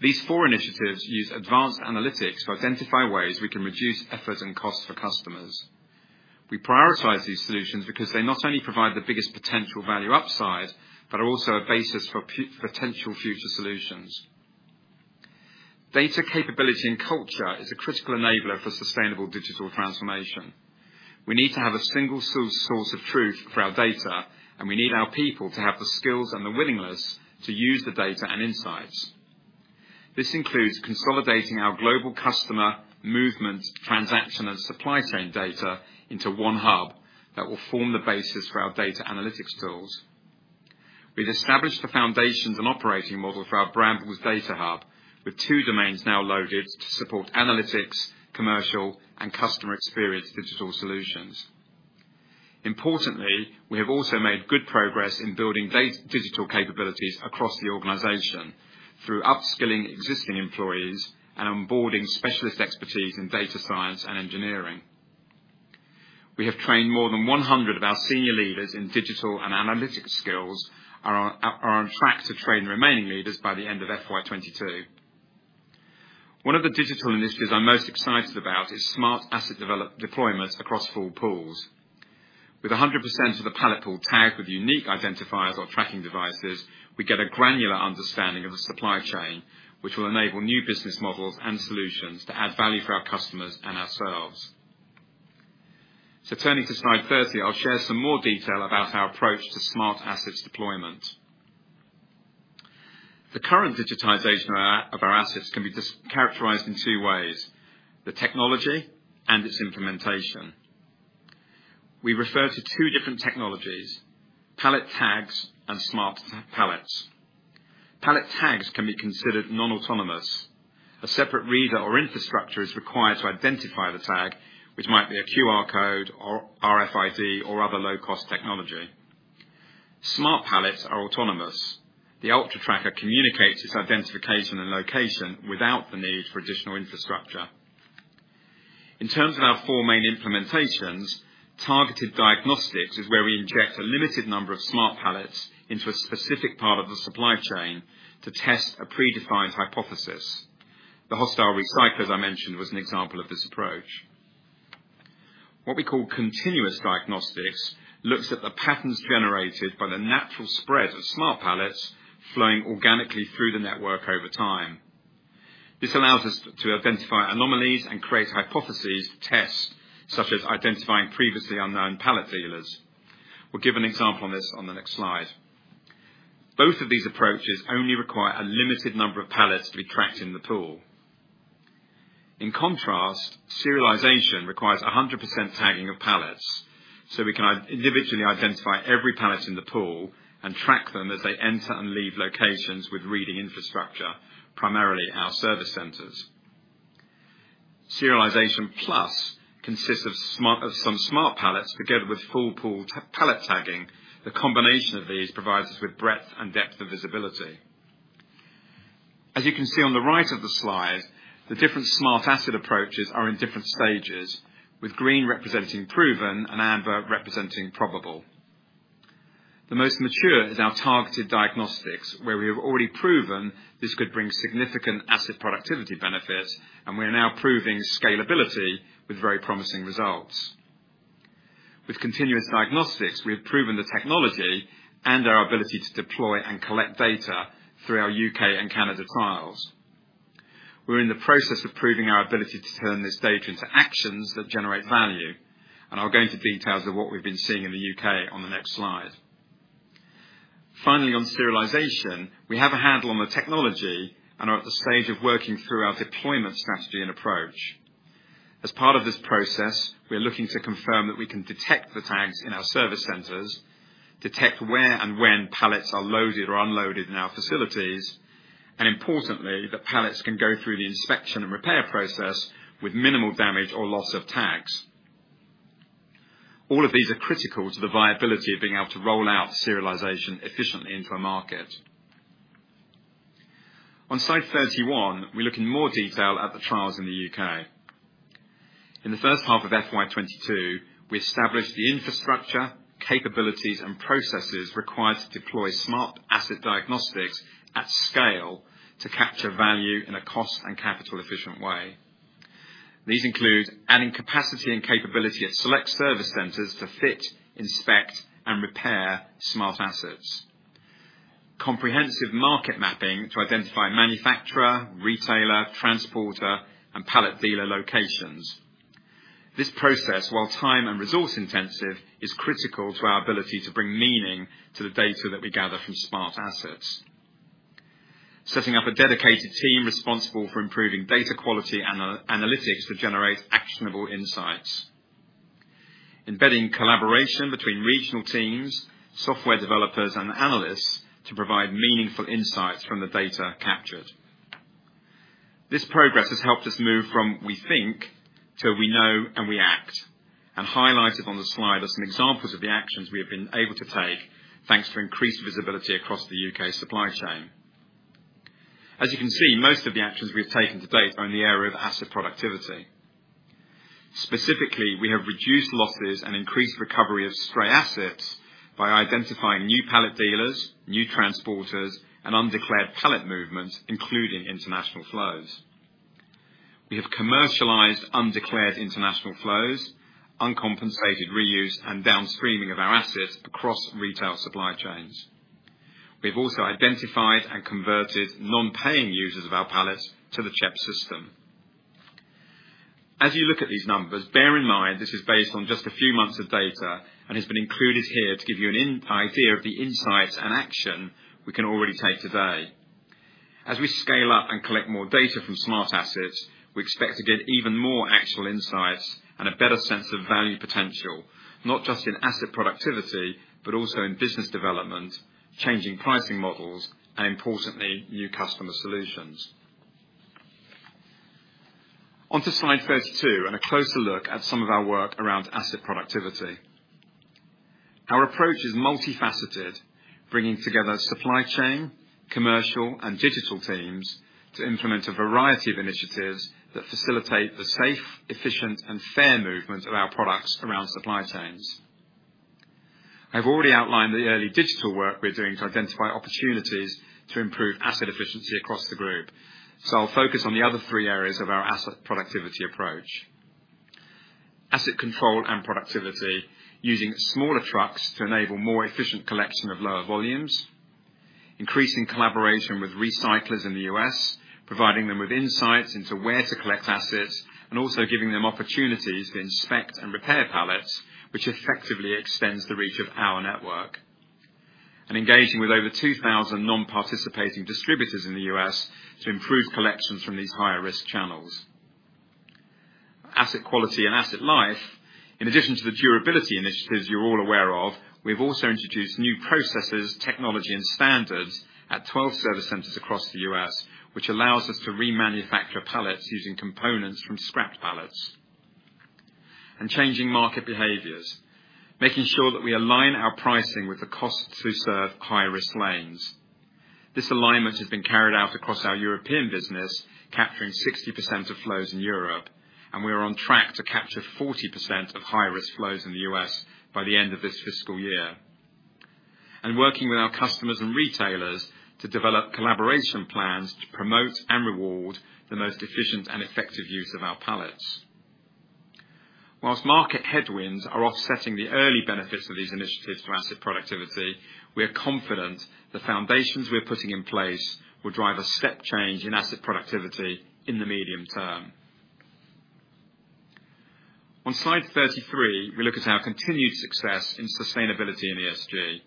These four initiatives use advanced analytics to identify ways we can reduce efforts and costs for customers. We prioritize these solutions because they not only provide the biggest potential value upside, but are also a basis for potential future solutions. Data capability and culture is a critical enabler for sustainable digital transformation. We need to have a single source of truth for our data, and we need our people to have the skills and the willingness to use the data and insights. This includes consolidating our global customer movement, transaction, and supply chain data into one hub that will form the basis for our data analytics tools. We've established the foundations and operating model for our Brambles data hub, with two domains now loaded to support analytics, commercial and customer experience digital solutions. Importantly, we have also made good progress in building digital capabilities across the organization through upskilling existing employees and onboarding specialist expertise in data science and engineering. We have trained more than 100 of our senior leaders in digital and analytics skills and are on track to train remaining leaders by the end of FY 2022. One of the digital initiatives I'm most excited about is smart asset deployments across full pools. With 100% of the pallet pool tagged with unique identifiers or tracking devices, we get a granular understanding of the supply chain, which will enable new business models and solutions to add value for our customers and ourselves. Turning to slide 30, I'll share some more detail about our approach to smart assets deployment. The current digitization of our assets can be characterized in two ways: the technology and its implementation. We refer to two different technologies: pallet tags and smart pallets. Pallet tags can be considered non-autonomous. A separate reader or infrastructure is required to identify the tag, which might be a QR code or RFID or other low-cost technology. Smart pallets are autonomous. The Ultra Tracker communicates its identification and location without the need for additional infrastructure. In terms of our four main implementations, targeted diagnostics is where we inject a limited number of smart pallets into a specific part of the supply chain to test a predefined hypothesis. The hostile recycle, as I mentioned, was an example of this approach. What we call continuous diagnostics looks at the patterns generated by the natural spread of smart pallets flowing organically through the network over time. This allows us to identify anomalies and create hypotheses to test, such as identifying previously unknown pallet dealers. We'll give an example on this on the next slide. Both of these approaches only require a limited number of pallets to be tracked in the pool. In contrast, serialization requires 100% tagging of pallets, so we can individually identify every pallet in the pool and track them as they enter and leave locations with reading infrastructure, primarily our service centers. Serialization plus consists of some smart pallets together with full pool pallet tagging. The combination of these provides us with breadth and depth of visibility. As you can see on the right of the slide, the different smart asset approaches are in different stages, with green representing proven and amber representing probable. The most mature is our targeted diagnostics, where we have already proven this could bring significant asset productivity benefits, and we are now proving scalability with very promising results. With continuous diagnostics, we have proven the technology and our ability to deploy and collect data through our U.K. and Canada trials. We're in the process of proving our ability to turn this data into actions that generate value, and I'll go into details of what we've been seeing in the U.K. on the next slide. Finally, on serialization, we have a handle on the technology and are at the stage of working through our deployment strategy and approach. As part of this process, we are looking to confirm that we can detect the tags in our service centers, detect where and when pallets are loaded or unloaded in our facilities, and importantly, that pallets can go through the inspection and repair process with minimal damage or loss of tags. All of these are critical to the viability of being able to roll out serialization efficiently into a market. On slide 31, we look in more detail at the trials in the U.K. In the first half of FY 2022, we established the infrastructure, capabilities, and processes required to deploy smart asset diagnostics at scale to capture value in a cost and capital efficient way. These include adding capacity and capability at select service centers to fit, inspect, and repair smart assets, comprehensive market mapping to identify manufacturer, retailer, transporter, and pallet dealer locations. This process, while time and resource intensive, is critical to our ability to bring meaning to the data that we gather from smart assets. Setting up a dedicated team responsible for improving data quality and analytics to generate actionable insights, embedding collaboration between regional teams, software developers, and analysts to provide meaningful insights from the data captured. This progress has helped us move from we think to we know and we act, and highlighted on the slide are some examples of the actions we have been able to take thanks to increased visibility across the U.K. supply chain. As you can see, most of the actions we have taken to date are in the area of asset productivity. Specifically, we have reduced losses and increased recovery of stray assets by identifying new pallet dealers, new transporters, and undeclared pallet movements, including international flows. We have commercialized undeclared international flows, uncompensated reuse, and downstreaming of our assets across retail supply chains. We've also identified and converted non-paying users of our pallets to the CHEP system. As you look at these numbers, bear in mind this is based on just a few months of data and has been included here to give you an idea of the insights and action we can already take today. As we scale up and collect more data from smart assets, we expect to get even more actual insights and a better sense of value potential, not just in asset productivity, but also in business development, changing pricing models, and importantly, new customer solutions. On to slide 32 and a closer look at some of our work around asset productivity. Our approach is multifaceted, bringing together supply chain, commercial, and digital teams to implement a variety of initiatives that facilitate the safe, efficient, and fair movement of our products around supply chains. I've already outlined the early digital work we're doing to identify opportunities to improve asset efficiency across the group, so I'll focus on the other three areas of our asset productivity approach. Asset control and productivity using smaller trucks to enable more efficient collection of lower volumes. Increasing collaboration with recyclers in the U.S., providing them with insights into where to collect assets and also giving them opportunities to inspect and repair pallets, which effectively extends the reach of our network. Engaging with over 2,000 non-participating distributors in the U.S., to improve collections from these higher-risk channels. Asset quality and asset life. In addition to the durability initiatives you're all aware of, we've also introduced new processes, technology, and standards at 12 service centers across the U.S., which allows us to remanufacture pallets using components from scrap pallets. Changing market behaviors, making sure that we align our pricing with the cost to serve high-risk lanes. This alignment has been carried out across our European business, capturing 60% of flows in Europe, and we are on track to capture 40% of high-risk flows in the U.S., by the end of this fiscal year. Working with our customers and retailers to develop collaboration plans to promote and reward the most efficient and effective use of our pallets. Whilst market headwinds are offsetting the early benefits of these initiatives to asset productivity, we are confident the foundations we're putting in place will drive a step change in asset productivity in the medium term. On slide 33, we look at our continued success in sustainability in ESG.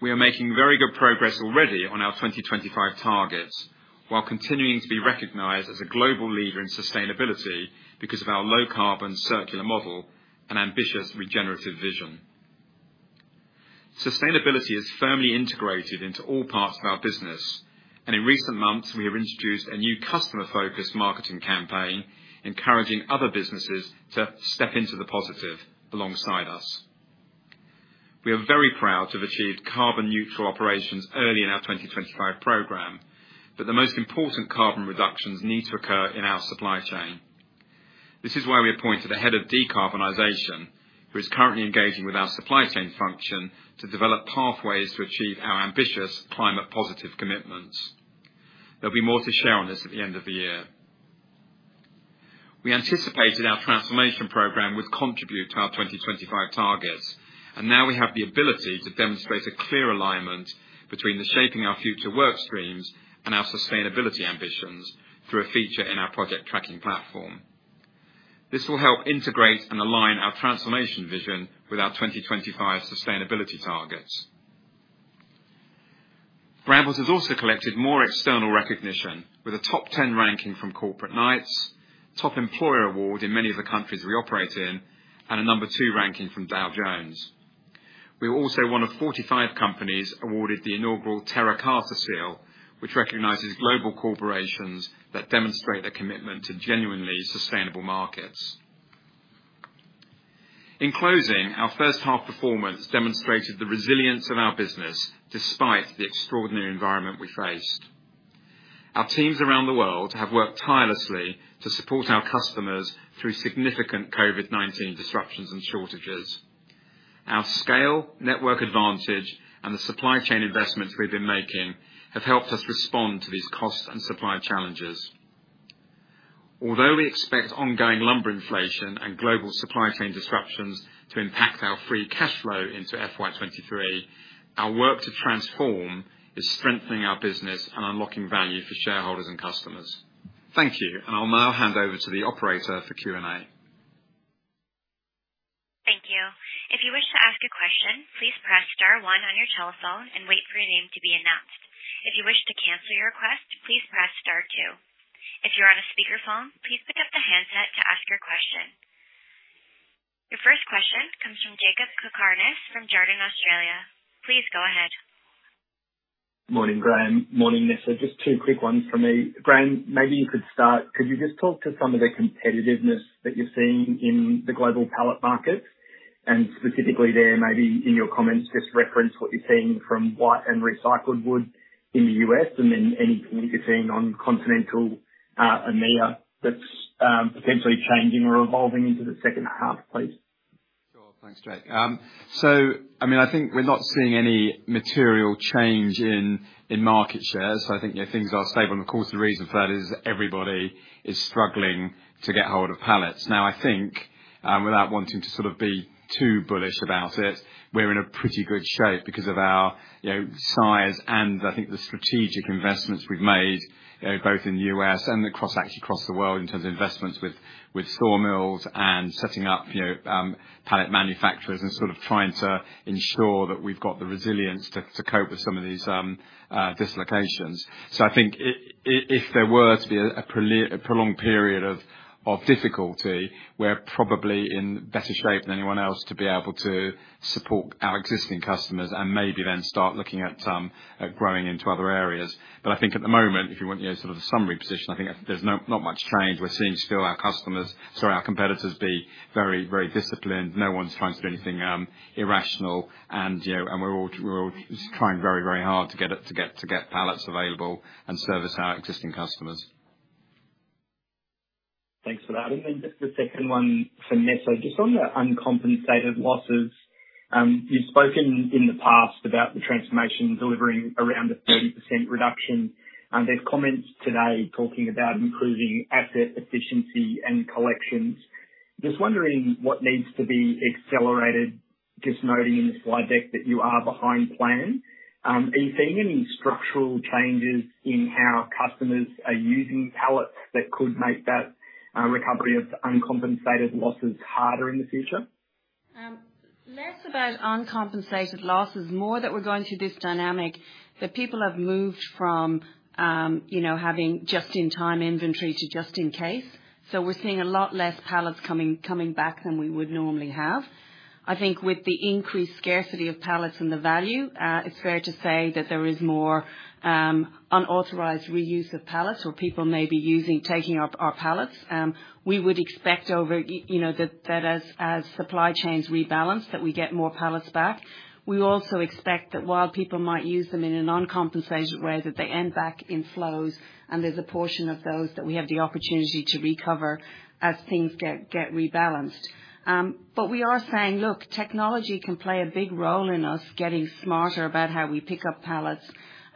We are making very good progress already on our 2025 targets, while continuing to be recognized as a global leader in sustainability because of our low carbon circular model and ambitious regenerative vision. Sustainability is firmly integrated into all parts of our business, and in recent months, we have introduced a new customer-focused marketing campaign encouraging other businesses to step into the positive alongside us. We are very proud to have achieved carbon neutral operations early in our 2025 program, but the most important carbon reductions need to occur in our supply chain. This is why we appointed a head of decarbonization, who is currently engaging with our supply chain function to develop pathways to achieve our ambitious climate positive commitments. There'll be more to share on this at the end of the year. We anticipated our transformation program would contribute to our 2025 targets, and now we have the ability to demonstrate a clear alignment between the Shaping Our Future work streams and our sustainability ambitions through a feature in our project tracking platform. This will help integrate and align our transformation vision with our 2025 sustainability targets. Brambles has also collected more external recognition with a top 10 ranking from Corporate Knights, Top Employer award in many of the countries we operate in, and a number 2 ranking from Dow Jones. We're also one of 45 companies awarded the inaugural Terra Carta seal, which recognizes global corporations that demonstrate a commitment to genuinely sustainable markets. In closing, our first half performance demonstrated the resilience of our business despite the extraordinary environment we faced. Our teams around the world have worked tirelessly to support our customers through significant COVID-19 disruptions and shortages. Our scale, network advantage, and the supply chain investments we've been making have helped us respond to these costs and supply challenges. Although we expect ongoing lumber inflation and global supply chain disruptions to impact our free cash flow into FY 2023, our work to transform is strengthening our business and unlocking value for shareholders and customers. Thank you. I'll now hand over to the operator for Q&A.
Thank you. Your first question comes from Jakob Cakarnis from Jarden Australia. Please go ahead.
Morning, Graham. Morning, Nessa. Just two quick ones from me. Graham, maybe you could start. Could you just talk to some of the competitiveness that you're seeing in the global pallet market? Specifically there, maybe in your comments, just reference what you're seeing from whitewood and recycled wood in the U.S., and then anything you're seeing on continental EMEA that's potentially changing or evolving into the second half, please.
Sure. Thanks, Jake. I mean, I think we're not seeing any material change in market shares. I think, you know, things are stable. Of course, the reason for that is everybody is struggling to get hold of pallets. Now, I think, without wanting to sort of be too bullish about it, we're in a pretty good shape because of our, you know, size and I think the strategic investments we've made, both in the U.S., and across actually across the world in terms of investments with sawmills and setting up, you know, pallet manufacturers and sort of trying to ensure that we've got the resilience to cope with some of these dislocations. I think if there were to be a prolonged period of difficulty, we're probably in better shape than anyone else to be able to support our existing customers and maybe then start looking at growing into other areas. I think at the moment, if you want you know sort of a summary position, I think there's not much change. We're seeing our competitors be very, very disciplined. No one's trying to do anything irrational. You know, we're all trying very, very hard to get pallets available and service our existing customers.
Thanks for that. Then the second one for Nessa, just on the uncompensated losses. You've spoken in the past about the transformation delivering around a 30% reduction. There's comments today talking about improving asset efficiency and collections. Just wondering what needs to be accelerated, just noting in the slide deck that you are behind plan. Are you seeing any structural changes in how customers are using pallets that could make that recovery of uncompensated losses harder in the future?
Less about uncompensated losses, more that we're going through this dynamic that people have moved from, you know, having just-in-time inventory to just in case. We're seeing a lot less pallets coming back than we would normally have. I think with the increased scarcity of pallets and the value, it's fair to say that there is more unauthorized reuse of pallets or people may be taking our pallets. We would expect, you know, that as supply chains rebalance, that we get more pallets back. We also expect that while people might use them in a non-compensated way, that they end back in flows, and there's a portion of those that we have the opportunity to recover as things get rebalanced. We are saying, look, technology can play a big role in us getting smarter about how we pick up pallets,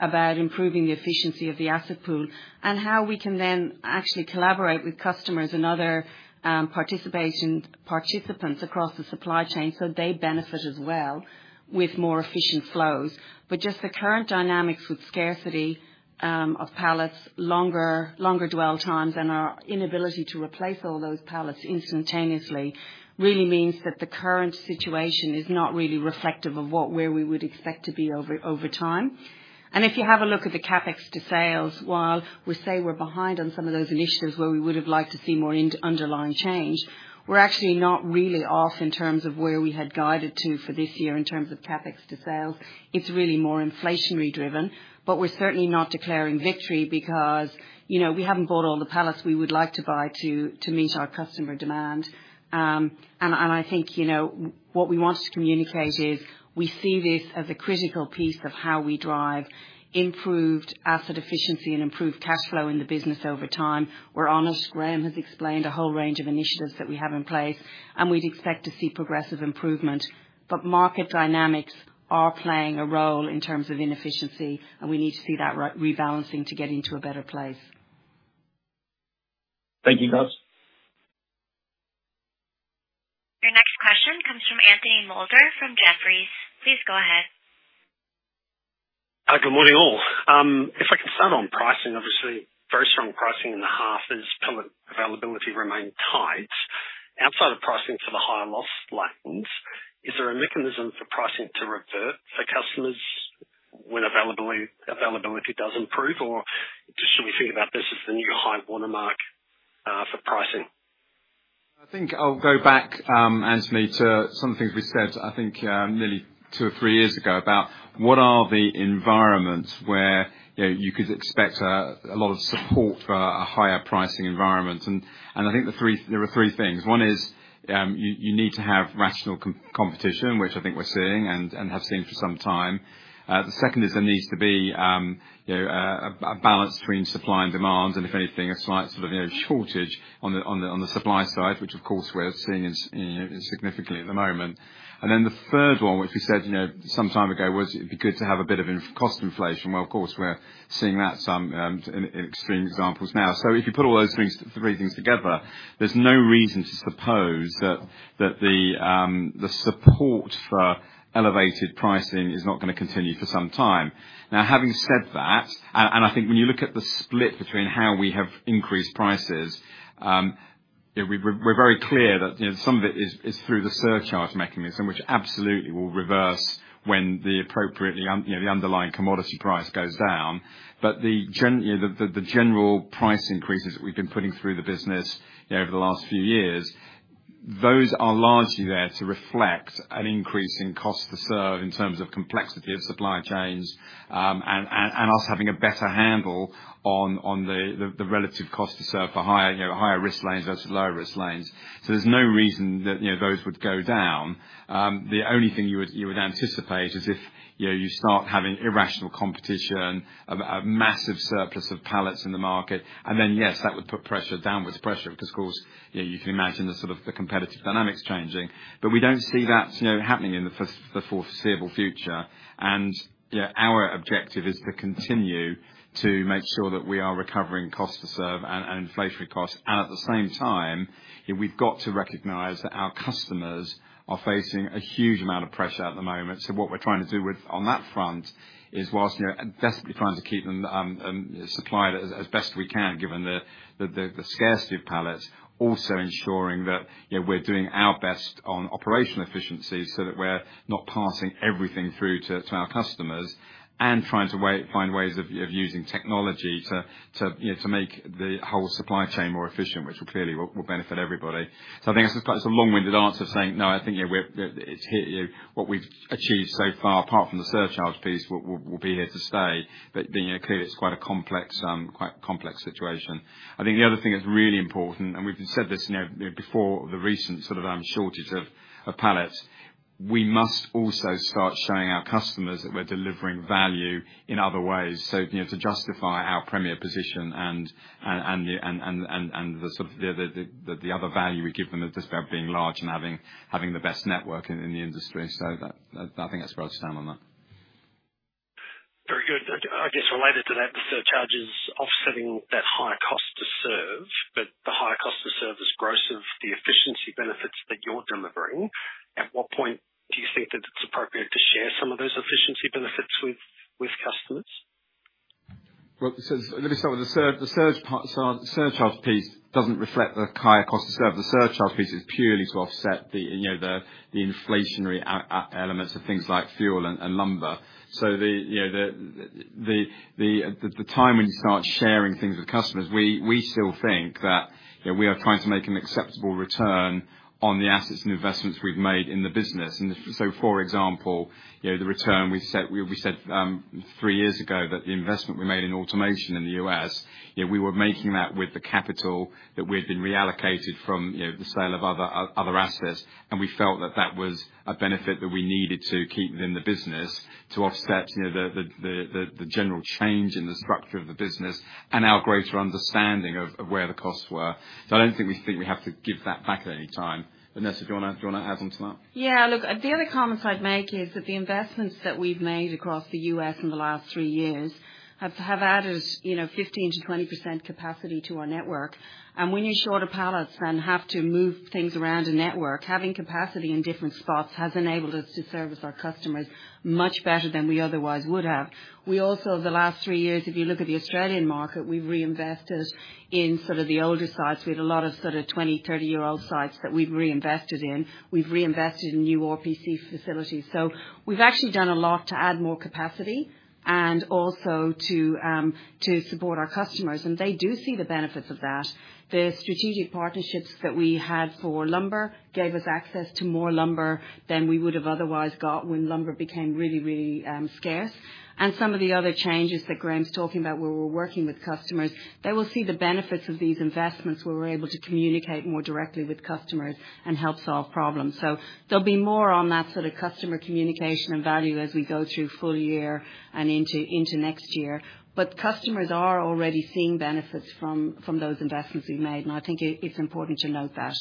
about improving the efficiency of the asset pool, and how we can then actually collaborate with customers and other participants across the supply chain so they benefit as well with more efficient flows. Just the current dynamics with scarcity of pallets, longer dwell times and our inability to replace all those pallets instantaneously really means that the current situation is not really reflective of where we would expect to be over time. If you have a look at the CapEx to sales, while we say we're behind on some of those initiatives where we would have liked to see more in-underlying change, we're actually not really off in terms of where we had guided to for this year in terms of CapEx to sales. It's really more inflationary driven, but we're certainly not declaring victory because, you know, we haven't bought all the pallets we would like to buy to meet our customer demand. I think, you know, what we wanted to communicate is we see this as a critical piece of how we drive improved asset efficiency and improved cash flow in the business over time. We're honest. Graham has explained a whole range of initiatives that we have in place, and we'd expect to see progressive improvement. Market dynamics are playing a role in terms of inefficiency, and we need to see that rebalancing to get into a better place.
Thank you, guys.
Your next question comes from Anthony Moulder from Jefferies. Please go ahead.
Good morning, all. If I can start on pricing, obviously very strong pricing in the half as pallet availability remained tight. Outside of pricing for the higher loss rates, is there a mechanism for pricing to revert for customers when availability does improve? Or just should we think about this as the new high watermark for pricing?
I think I'll go back, Anthony, to some things we said, I think, nearly two or three years ago about what are the environments where, you know, you could expect a lot of support for a higher pricing environment. There are three things. One is you need to have rational competition, which I think we're seeing and have seen for some time. The second is there needs to be, you know, a balance between supply and demand, and if anything, a slight sort of, you know, shortage on the supply side, which of course we're seeing is, you know, significantly at the moment. The third one, which we said, you know, some time ago, was it'd be good to have a bit of cost inflation. Well, of course, we're seeing that some in extreme examples now. If you put all those things, three things together, there's no reason to suppose that the support for elevated pricing is not gonna continue for some time. Now, having said that, and I think when you look at the split between how we have increased prices, you know, we're very clear that, you know, some of it is through the surcharge mechanism, which absolutely will reverse when the appropriate, you know, the underlying commodity price goes down. The general price increases that we've been putting through the business, you know, over the last few years, those are largely there to reflect an increase in cost to serve in terms of complexity of supply chains, and us having a better handle on the relative cost to serve for higher, you know, higher risk lanes versus lower risk lanes. There's no reason that, you know, those would go down. The only thing you would anticipate is if, you know, you start having irrational competition of a massive surplus of pallets in the market. Yes, that would put pressure, downward pressure because of course, you know, you can imagine the sort of competitive dynamics changing. We don't see that, you know, happening in the foreseeable future. You know, our objective is to continue to make sure that we are recovering cost to serve and inflationary costs. At the same time, you know, we've got to recognize that our customers are facing a huge amount of pressure at the moment. What we're trying to do on that front is while, you know, desperately trying to keep them supplied as best we can, given the scarcity of pallets, also ensuring that, you know, we're doing our best on operational efficiencies so that we're not passing everything through to our customers and trying to find ways of using technology to, you know, to make the whole supply chain more efficient, which will clearly benefit everybody. I think that's a long-winded answer saying no. I think, you know, it's here, you know, what we've achieved so far apart from the surcharge piece will be here to stay. You know, clearly it's quite a complex situation. I think the other thing that's really important, we've said this, you know, before the recent sort of shortage of pallets, we must also start showing our customers that we're delivering value in other ways. You know, to justify our premier position and the sort of the other value we give them is just about being large and having the best network in the industry. I think that's where I stand on that.
Very good. I guess related to that, the surcharge is offsetting that higher cost to serve, but the higher cost to serve is gross of the efficiency benefits that you're delivering. At what point do you think that it's appropriate to share some of those efficiency benefits with customers?
Let me start with the surcharge piece doesn't reflect the higher cost to serve. The surcharge piece is purely to offset the you know the inflationary elements of things like fuel and lumber. You know the time when you start sharing things with customers, we still think that you know we are trying to make an acceptable return on the assets and investments we've made in the business. For example, you know, the return we said three years ago that the investment we made in automation in the U.S., you know, we were making that with the capital that we had been reallocated from, you know, the sale of other assets, and we felt that that was a benefit that we needed to keep within the business to offset, you know, the general change in the structure of the business and our greater understanding of where the costs were. I don't think we think we have to give that back at any time. Nessa, do you wanna add onto that?
Yeah. Look, the only comment I'd make is that the investments that we've made across the U.S., in the last three years have added, you know, 15%-20% capacity to our network. When you're short of pallets and have to move things around a network, having capacity in different spots has enabled us to service our customers much better than we otherwise would have. We also in the last three years, if you look at the Australian market, we reinvested in sort of the older sites. We had a lot of sort of 20-, 30-year-old sites that we've reinvested in. We've reinvested in new RPC facilities. We've actually done a lot to add more capacity and also to support our customers, and they do see the benefits of that. The strategic partnerships that we had for lumber gave us access to more lumber than we would have otherwise got when lumber became really scarce. Some of the other changes that Graham's talking about, where we're working with customers, they will see the benefits of these investments, where we're able to communicate more directly with customers and help solve problems. There'll be more on that sort of customer communication and value as we go through full year and into next year. Customers are already seeing benefits from those investments we've made, and I think it's important to note that.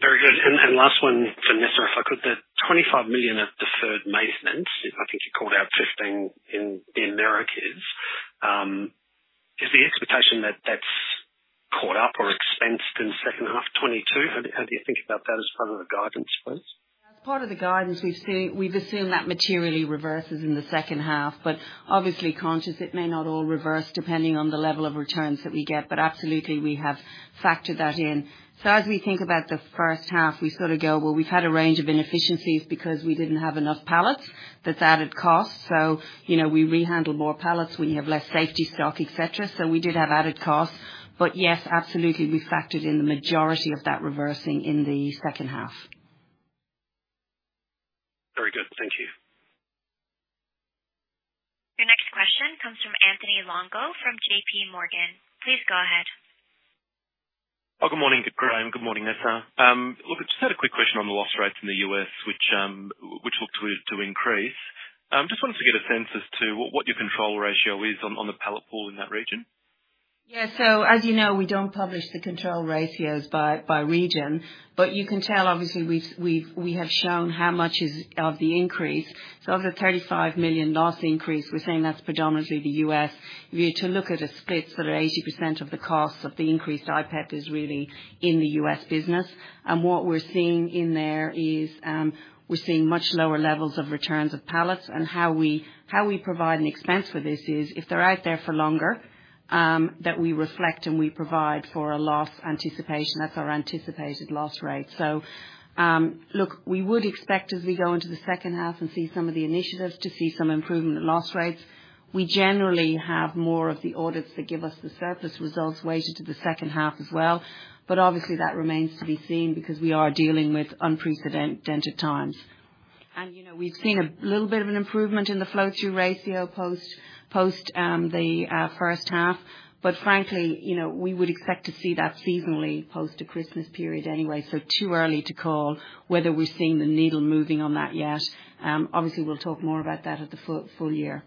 Very good. Last one for Nessa, if I could. The $25 million of deferred maintenance, I think you called out $15 million in the Americas. Is the expectation that that's caught up or expensed in second half 2022? How do you think about that as part of the guidance, please?
As part of the guidance we've seen, we've assumed that materially reverses in the second half, but obviously conscious it may not all reverse depending on the level of returns that we get. Absolutely we have factored that in. As we think about the first half, we sort of go, well, we've had a range of inefficiencies because we didn't have enough pallets. That's added cost. You know, we rehandle more pallets, we have less safety stock, et cetera. We did have added costs. Yes, absolutely we factored in the majority of that reversing in the second half.
Very good. Thank you.
Your next question comes from Anthony Longo, from J.P. Morgan. Please go ahead.
Oh, good morning, Graham. Good morning, Nessa. Look, just had a quick question on the loss rates in the U.S., which looked to increase. Just wanted to get a sense as to what your control ratio is on the pallet pool in that region.
Yeah. As you know, we don't publish the control ratios by region. You can tell obviously, we have shown how much is of the increase. Of the $35 million loss increase, we're saying that's predominantly the U.S. If you were to look at a split, sort of 80% of the costs of the increased IPEP is really in the U.S., business. What we're seeing in there is, we're seeing much lower levels of returns of pallets. How we provide an expense for this is if they're out there for longer, that we reflect and we provide for a loss anticipation, that's our anticipated loss rate. Look, we would expect as we go into the second half and see some of the initiatives to see some improvement in loss rates. We generally have more of the audits that give us the surplus results weighted to the second half as well. Obviously that remains to be seen because we are dealing with unprecedented times. You know, we've seen a little bit of an improvement in the flow-through ratio post the first half. Frankly, you know, we would expect to see that seasonally post the Christmas period anyway. Too early to call whether we're seeing the needle moving on that yet. Obviously, we'll talk more about that at the full year.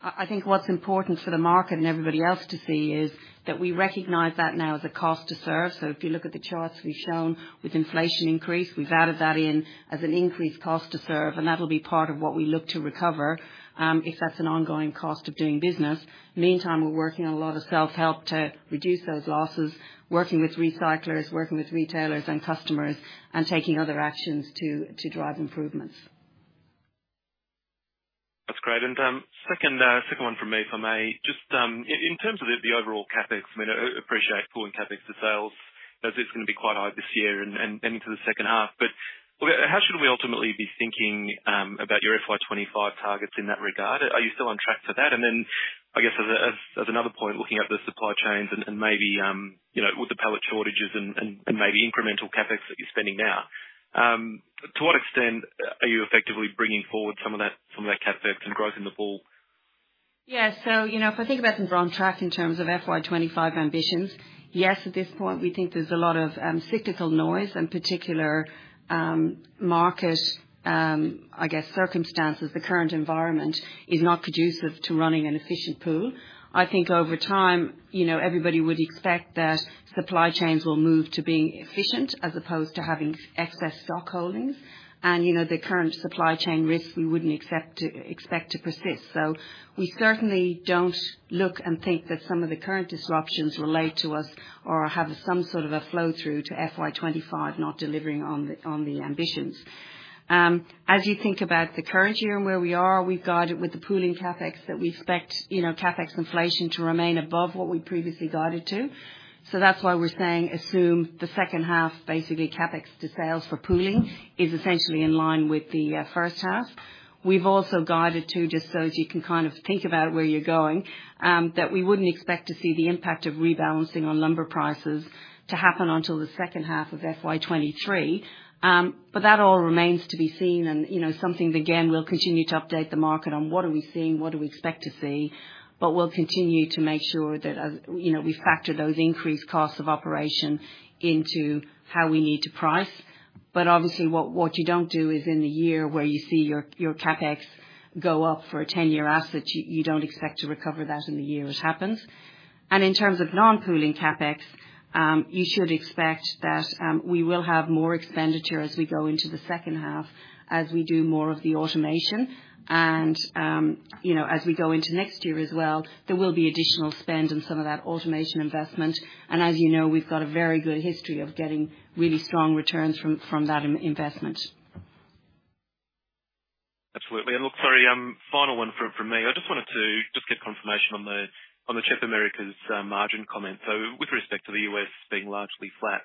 I think what's important for the market and everybody else to see is that we recognize that now as a cost to serve. If you look at the charts we've shown with inflation increase, we've added that in as an increased cost to serve, and that'll be part of what we look to recover, if that's an ongoing cost of doing business. Meantime, we're working on a lot of self-help to reduce those losses, working with recyclers, working with retailers and customers, and taking other actions to drive improvements.
That's great. Second one from me, if I may. Just in terms of the overall CapEx, I mean, appreciate pulling CapEx to sales, as it's gonna be quite high this year and into the second half. How should we ultimately be thinking about your FY 2025 targets in that regard? Are you still on track for that? Then I guess as another point, looking at the supply chains and maybe you know, with the pallet shortages and maybe incremental CapEx that you're spending now, to what extent are you effectively bringing forward some of that CapEx and growth in the pool?
Yeah. You know, if I think about if we're on track in terms of FY 2025 ambitions, yes, at this point, we think there's a lot of cyclical noise and particular market, I guess, circumstances. The current environment is not conducive to running an efficient pool. I think over time, you know, everybody would expect that supply chains will move to being efficient as opposed to having excess stock holdings. You know, the current supply chain risks we wouldn't expect to persist. We certainly don't look and think that some of the current disruptions relate to us or have some sort of a flow-through to FY 2025 not delivering on the ambitions. As you think about the current year and where we are, we've guided with the pooling CapEx that we expect, you know, CapEx inflation to remain above what we previously guided to. That's why we're saying assume the second half, basically CapEx to sales for pooling is essentially in line with the first half. We've also guided to, just so as you can kind of think about where you're going, that we wouldn't expect to see the impact of rebalancing on lumber prices to happen until the second half of FY 2023. That all remains to be seen and, you know, something again, we'll continue to update the market on what we are seeing, what do we expect to see, but we'll continue to make sure that, you know, we factor those increased costs of operation into how we need to price. Obviously what you don't do is in the year where you see your CapEx go up for a ten-year asset, you don't expect to recover that in the year it happens. In terms of non-pooling CapEx, you should expect that we will have more expenditure as we go into the second half, as we do more of the automation. You know, as we go into next year as well, there will be additional spend in some of that automation investment. As you know, we've got a very good history of getting really strong returns from that investment.
Absolutely. Look, sorry, final one from me. I just wanted to just get confirmation on the CHEP Americas margin comment. With respect to the U.S., being largely flat,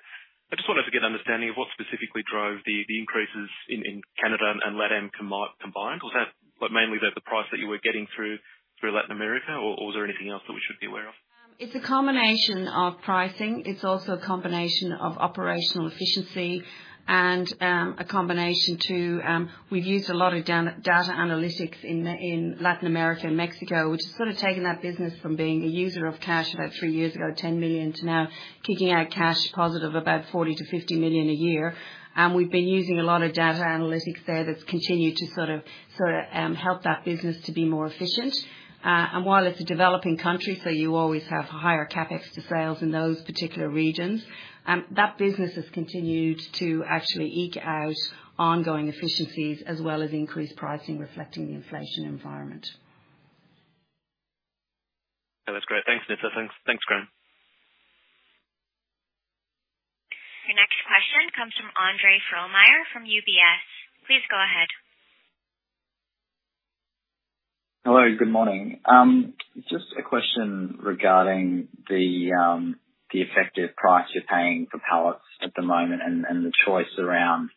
I just wanted to get an understanding of what specifically drove the increases in Canada and LatAm combined. Was that mainly the price that you were getting through Latin America or was there anything else that we should be aware of?
It's a combination of pricing. It's also a combination of operational efficiency and we've used a lot of data analytics in Latin America and Mexico, which has sort of taken that business from being a user of cash about three years ago, $10 million, to now kicking out cash positive about $40 million-$50 million a year. We've been using a lot of data analytics there that's continued to sort of help that business to be more efficient. While it's a developing country, so you always have higher CapEx to sales in those particular regions, that business has continued to actually eke out ongoing efficiencies as well as increased pricing, reflecting the inflation environment.
That's great. Thanks, Nessa. Thanks. Thanks, Graham.
Your next question comes from Andre Fromyhr from UBS. Please go ahead.
Hello, good morning. Just a question regarding the effective price you're paying for pallets at the moment and the choice around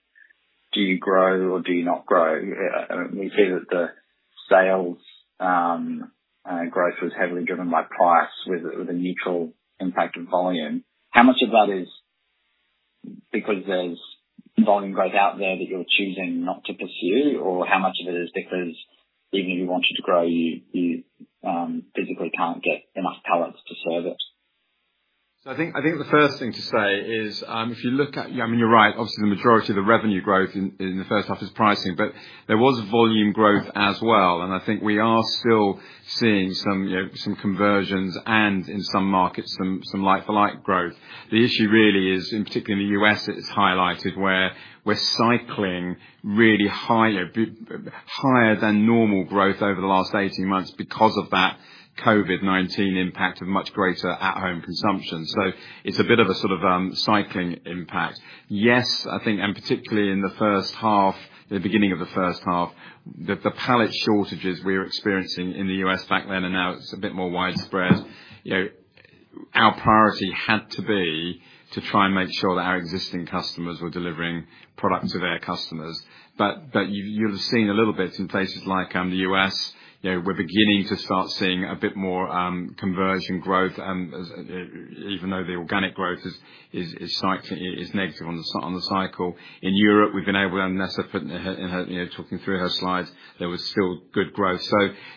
do you grow or do you not grow? We see that the sales growth was heavily driven by price with a neutral impact on volume. How much of that is because there's volume growth out there that you're choosing not to pursue? Or how much of it is because even if you wanted to grow, you physically can't get enough pallets to serve it?
I think the first thing to say is, if you look at... I mean, you're right. Obviously, the majority of the revenue growth in the first half is pricing, but there was volume growth as well. I think we are still seeing some, you know, some conversions and in some markets some like-for-like growth. The issue really is, in particular in the U.S., it is highlighted where we're cycling really higher than normal growth over the last 18 months because of that COVID-19 impact of much greater at-home consumption. It's a bit of a sort of cycling impact. I think, particularly in the first half, the beginning of the first half, the pallet shortages we were experiencing in the U.S., back then, and now it's a bit more widespread. You know, our priority had to be to try and make sure that our existing customers were delivering products to their customers. But you'll have seen a little bit in places like, the U.S., you know, we're beginning to start seeing a bit more, conversion growth. As even though the organic growth is cycling, is negative on the cycle. In Europe, we've been able, and Nessa put in her, you know, talking through her slides, there was still good growth.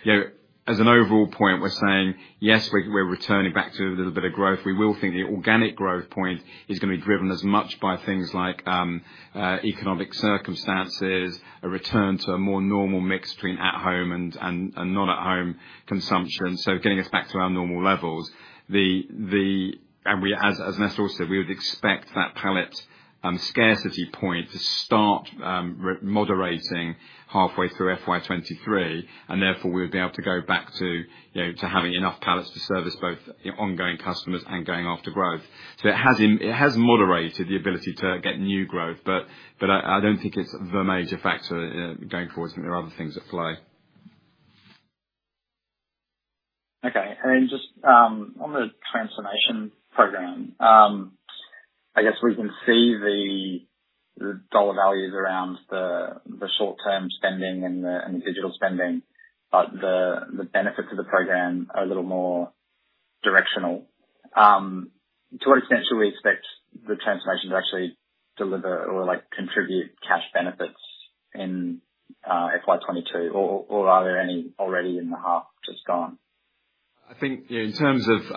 You know, as an overall point, we're saying, yes, we're returning back to a little bit of growth. We will think the organic growth point is gonna be driven as much by things like, economic circumstances, a return to a more normal mix between at home and not at home consumption. Getting us back to our normal levels. As Nessa also said, we would expect that pallet scarcity point to start moderating halfway through FY 2023, and therefore we would be able to go back to, you know, to having enough pallets to service both ongoing customers and going after growth. It has moderated the ability to get new growth, but I don't think it's the major factor going forward. I think there are other things at play.
Okay. Just on the transformation program, I guess we can see the dollar values around the short-term spending and the digital spending, but the benefits of the program are a little more directional. To what extent should we expect the transformation to actually deliver or like contribute cash benefits in FY 2022? Or are there any already in the half just gone?
I think in terms of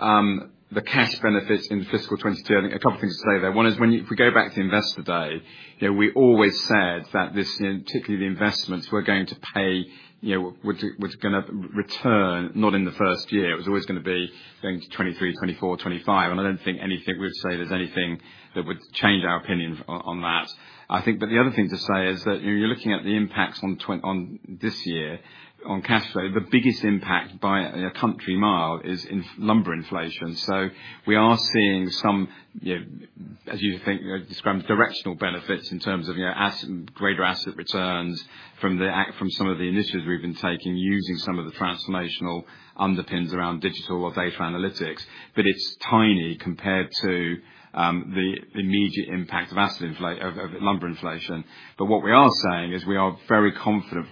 the cash benefits in fiscal 2022, I think a couple things to say there. One is when, if we go back to Investor Day, you know, we always said that this, particularly the investments, were going to pay, you know, was gonna return not in the first year. It was always gonna be going to 2023, 2024, 2025. I don't think anything we'd say there's anything that would change our opinion on that. I think the other thing to say is that, you know, you're looking at the impacts on this year on cash flow. The biggest impact by a country mile is in lumber inflation. We are seeing some, you know. As you think, you know, directional benefits in terms of your asset, greater asset returns from the actions, from some of the initiatives we've been taking, using some of the transformational underpinnings around digital or data analytics. But it's tiny compared to the immediate impact of asset inflation of lumber inflation. But what we are saying is we are very confident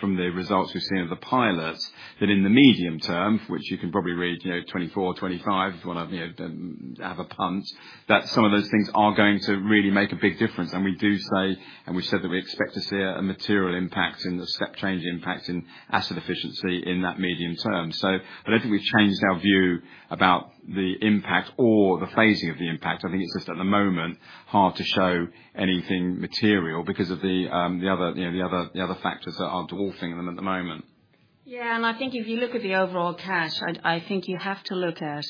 from the results we've seen of the pilots, that in the medium term, which you can probably read, you know, 2024, 2025, if you wanna, you know, have a punt, that some of those things are going to really make a big difference. We do say, and we said that we expect to see a material impact in the step change impact in asset efficiency in that medium term. I don't think we've changed our view about the impact or the phasing of the impact. I think it's just at the moment hard to show anything material because of the other, you know, factors that are dwarfing them at the moment.
Yeah. I think if you look at the overall cash, I think you have to look at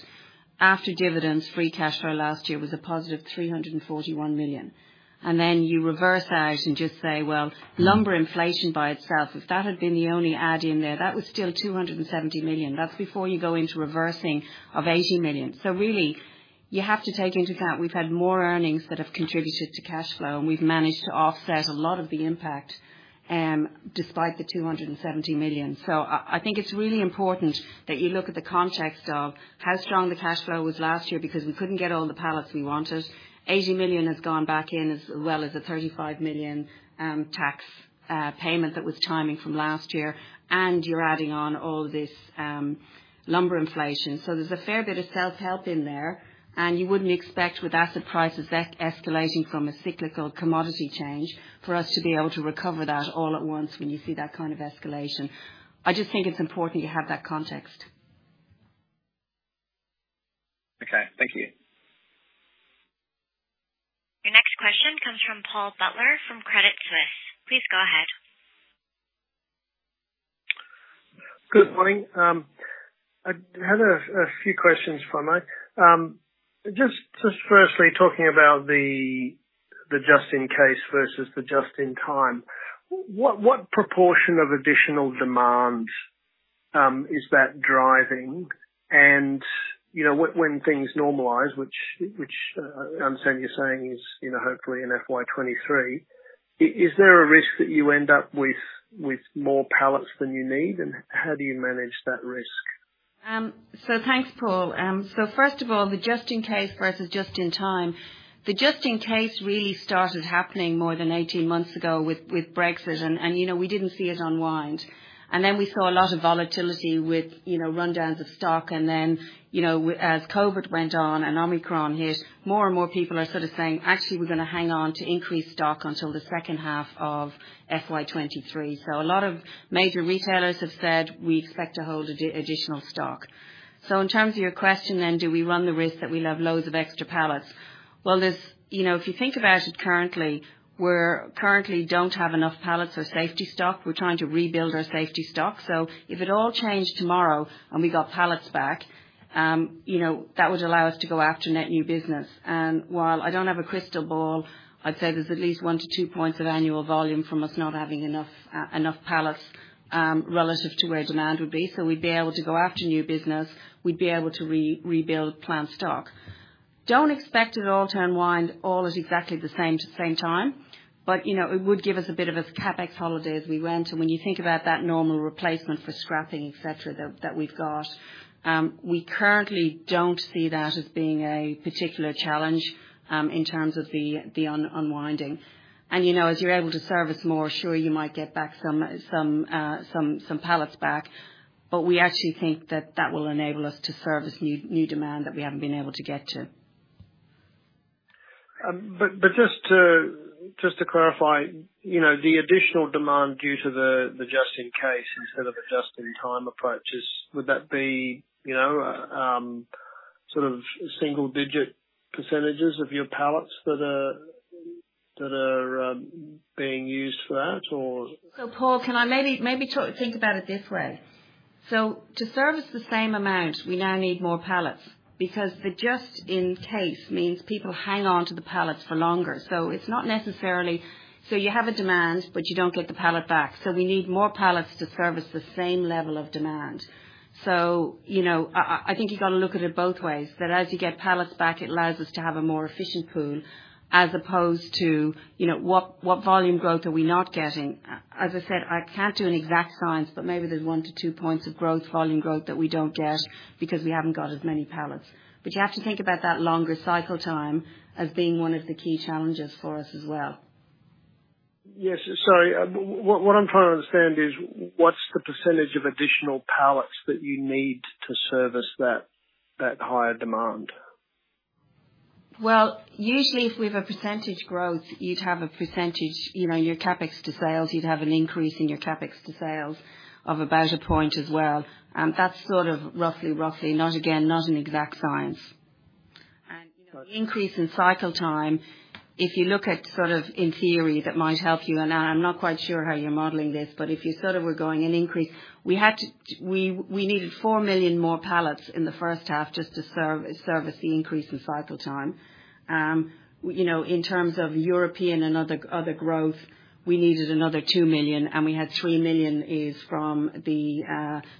after dividends, free cash flow last year was a positive $341 million. Then you reverse out and just say, well, lumber inflation by itself, if that had been the only add in there, that was still $270 million. That's before you go into reversing of $80 million. Really, you have to take into account, we've had more earnings that have contributed to cash flow, and we've managed to offset a lot of the impact, despite the $270 million. I think it's really important that you look at the context of how strong the cash flow was last year because we couldn't get all the pallets we wanted. $80 million has gone back in, as well as a $35 million tax payment that was timing from last year, and you're adding on all this lumber inflation. There's a fair bit of self-help in there. You wouldn't expect with asset prices escalating from a cyclical commodity change for us to be able to recover that all at once when you see that kind of escalation. I just think it's important you have that context.
Okay. Thank you.
Your next question comes from Paul Butler from Credit Suisse. Please go ahead.
Good morning. I had a few questions if I might. Just firstly talking about the just in case versus the just in time. What proportion of additional demand is that driving? You know, when things normalize, which I'm assuming you're saying is, you know, hopefully in FY 2023, is there a risk that you end up with more pallets than you need? And how do you manage that risk?
Thanks, Paul. First of all, the just in case versus just in time. The just in case really started happening more than 18 months ago with Brexit. You know, we didn't see it unwind. We saw a lot of volatility with, you know, rundowns of stock. You know, as COVID went on and Omicron hit, more and more people are sort of saying, "Actually, we're gonna hang on to increased stock until the second half of FY 2023." A lot of major retailers have said, "We expect to hold additional stock." In terms of your question then, do we run the risk that we'll have loads of extra pallets? Well, there's you know, if you think about it currently, we currently don't have enough pallets for safety stock. We're trying to rebuild our safety stock. If it all changed tomorrow and we got pallets back, that would allow us to go after net new business. While I don't have a crystal ball, I'd say there's at least 1-2 points of annual volume from us not having enough pallets relative to where demand would be. We'd be able to go after new business. We'd be able to rebuild plant stock. Don't expect it all to unwind all at exactly the same time. It would give us a bit of a CapEx holiday as we went. When you think about that normal replacement for scrapping, et cetera, that we've got, we currently don't see that as being a particular challenge in terms of the unwinding. You know, as you're able to service more, sure, you might get back some pallets back, but we actually think that will enable us to service new demand that we haven't been able to get to.
Just to clarify, you know, the additional demand due to the just-in-case instead of a just-in-time approach would that be, you know, sort of single-digit percentages of your pallets that are being used for that or?
Paul, can I maybe think about it this way. To service the same amount, we now need more pallets because the just in case means people hang on to the pallets for longer. It's not necessarily you have a demand, but you don't get the pallet back. We need more pallets to service the same level of demand. You know, I think you got to look at it both ways. That as you get pallets back, it allows us to have a more efficient pool as opposed to, you know, what volume growth are we not getting? As I said, I can't do an exact science, but maybe there's 1-2 points of volume growth that we don't get because we haven't got as many pallets. You have to think about that longer cycle time as being one of the key challenges for us as well.
Yes. Sorry. What I'm trying to understand is what's the percentage of additional pallets that you need to service that higher demand?
Well, usually if we have a percentage growth, you'd have a percentage, you know, your CapEx to sales, you'd have an increase in your CapEx to sales of about a point as well. That's sort of roughly, not again, not an exact science. You know, increase in cycle time, if you look at sort of in theory that might help you, and I'm not quite sure how you're modeling this, but if you sort of were going in increase, we needed 4 million more pallets in the first half just to service the increase in cycle time. You know, in terms of European and other growth, we needed another 2 million, and we had 3 million from the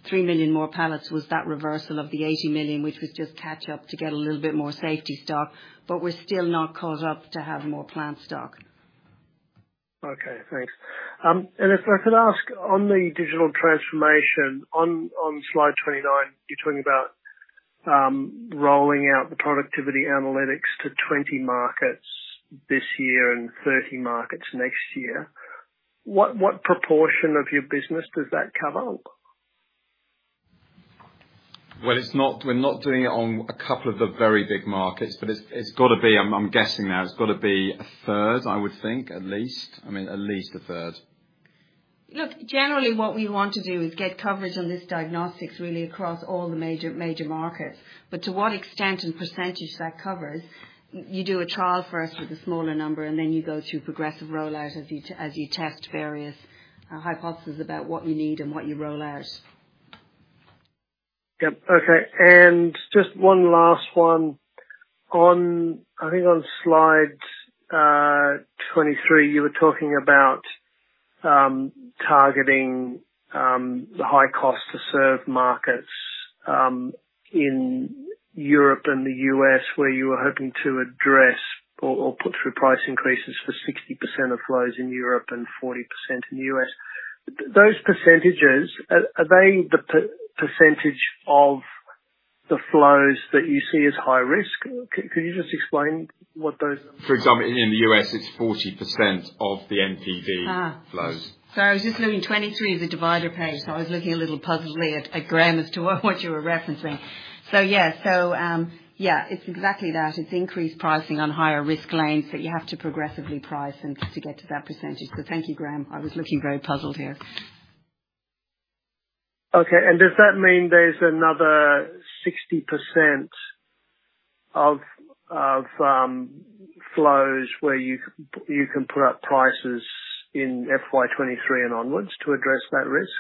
3 million more pallets, which was that reversal of the 80 million, which was just catch up to get a little bit more safety stock. But we're still not caught up to have more pallet stock.
Okay, thanks. If I could ask on the digital transformation on slide 29, you're talking about rolling out the productivity analytics to 20 markets this year and 30 markets next year. What proportion of your business does that cover?
Well, we're not doing it on a couple of the very big markets, but it's gotta be a third, I'm guessing now. I would think, at least. I mean, at least a third.
Look, generally, what we want to do is get coverage on this diagnostics really across all the major markets. To what extent and percentage that covers, you do a trial first with a smaller number, and then you go through progressive rollout as you test various hypotheses about what you need and what you roll out.
Yep. Okay. Just one last one. I think on slide 23, you were talking about targeting the high cost to serve markets in Europe and the U.S., where you were hoping to address or put through price increases for 60% of flows in Europe and 40% in the U.S. Those percentages, are they the percentage of the flows that you see as high risk? Could you just explain what those-
For example, in the U.S. it's 40% of the NPV.
Ah.
-flows.
I was just looking, 23 is a divider page. I was looking a little puzzledly at Graham as to what you were referencing. Yeah. Yeah, it's exactly that. It's increased pricing on higher risk claims that you have to progressively price and to get to that percentage. Thank you, Graham. I was looking very puzzled here.
Okay. Does that mean there's another 60% of flows where you can put up prices in FY 2023 and onwards to address that risk?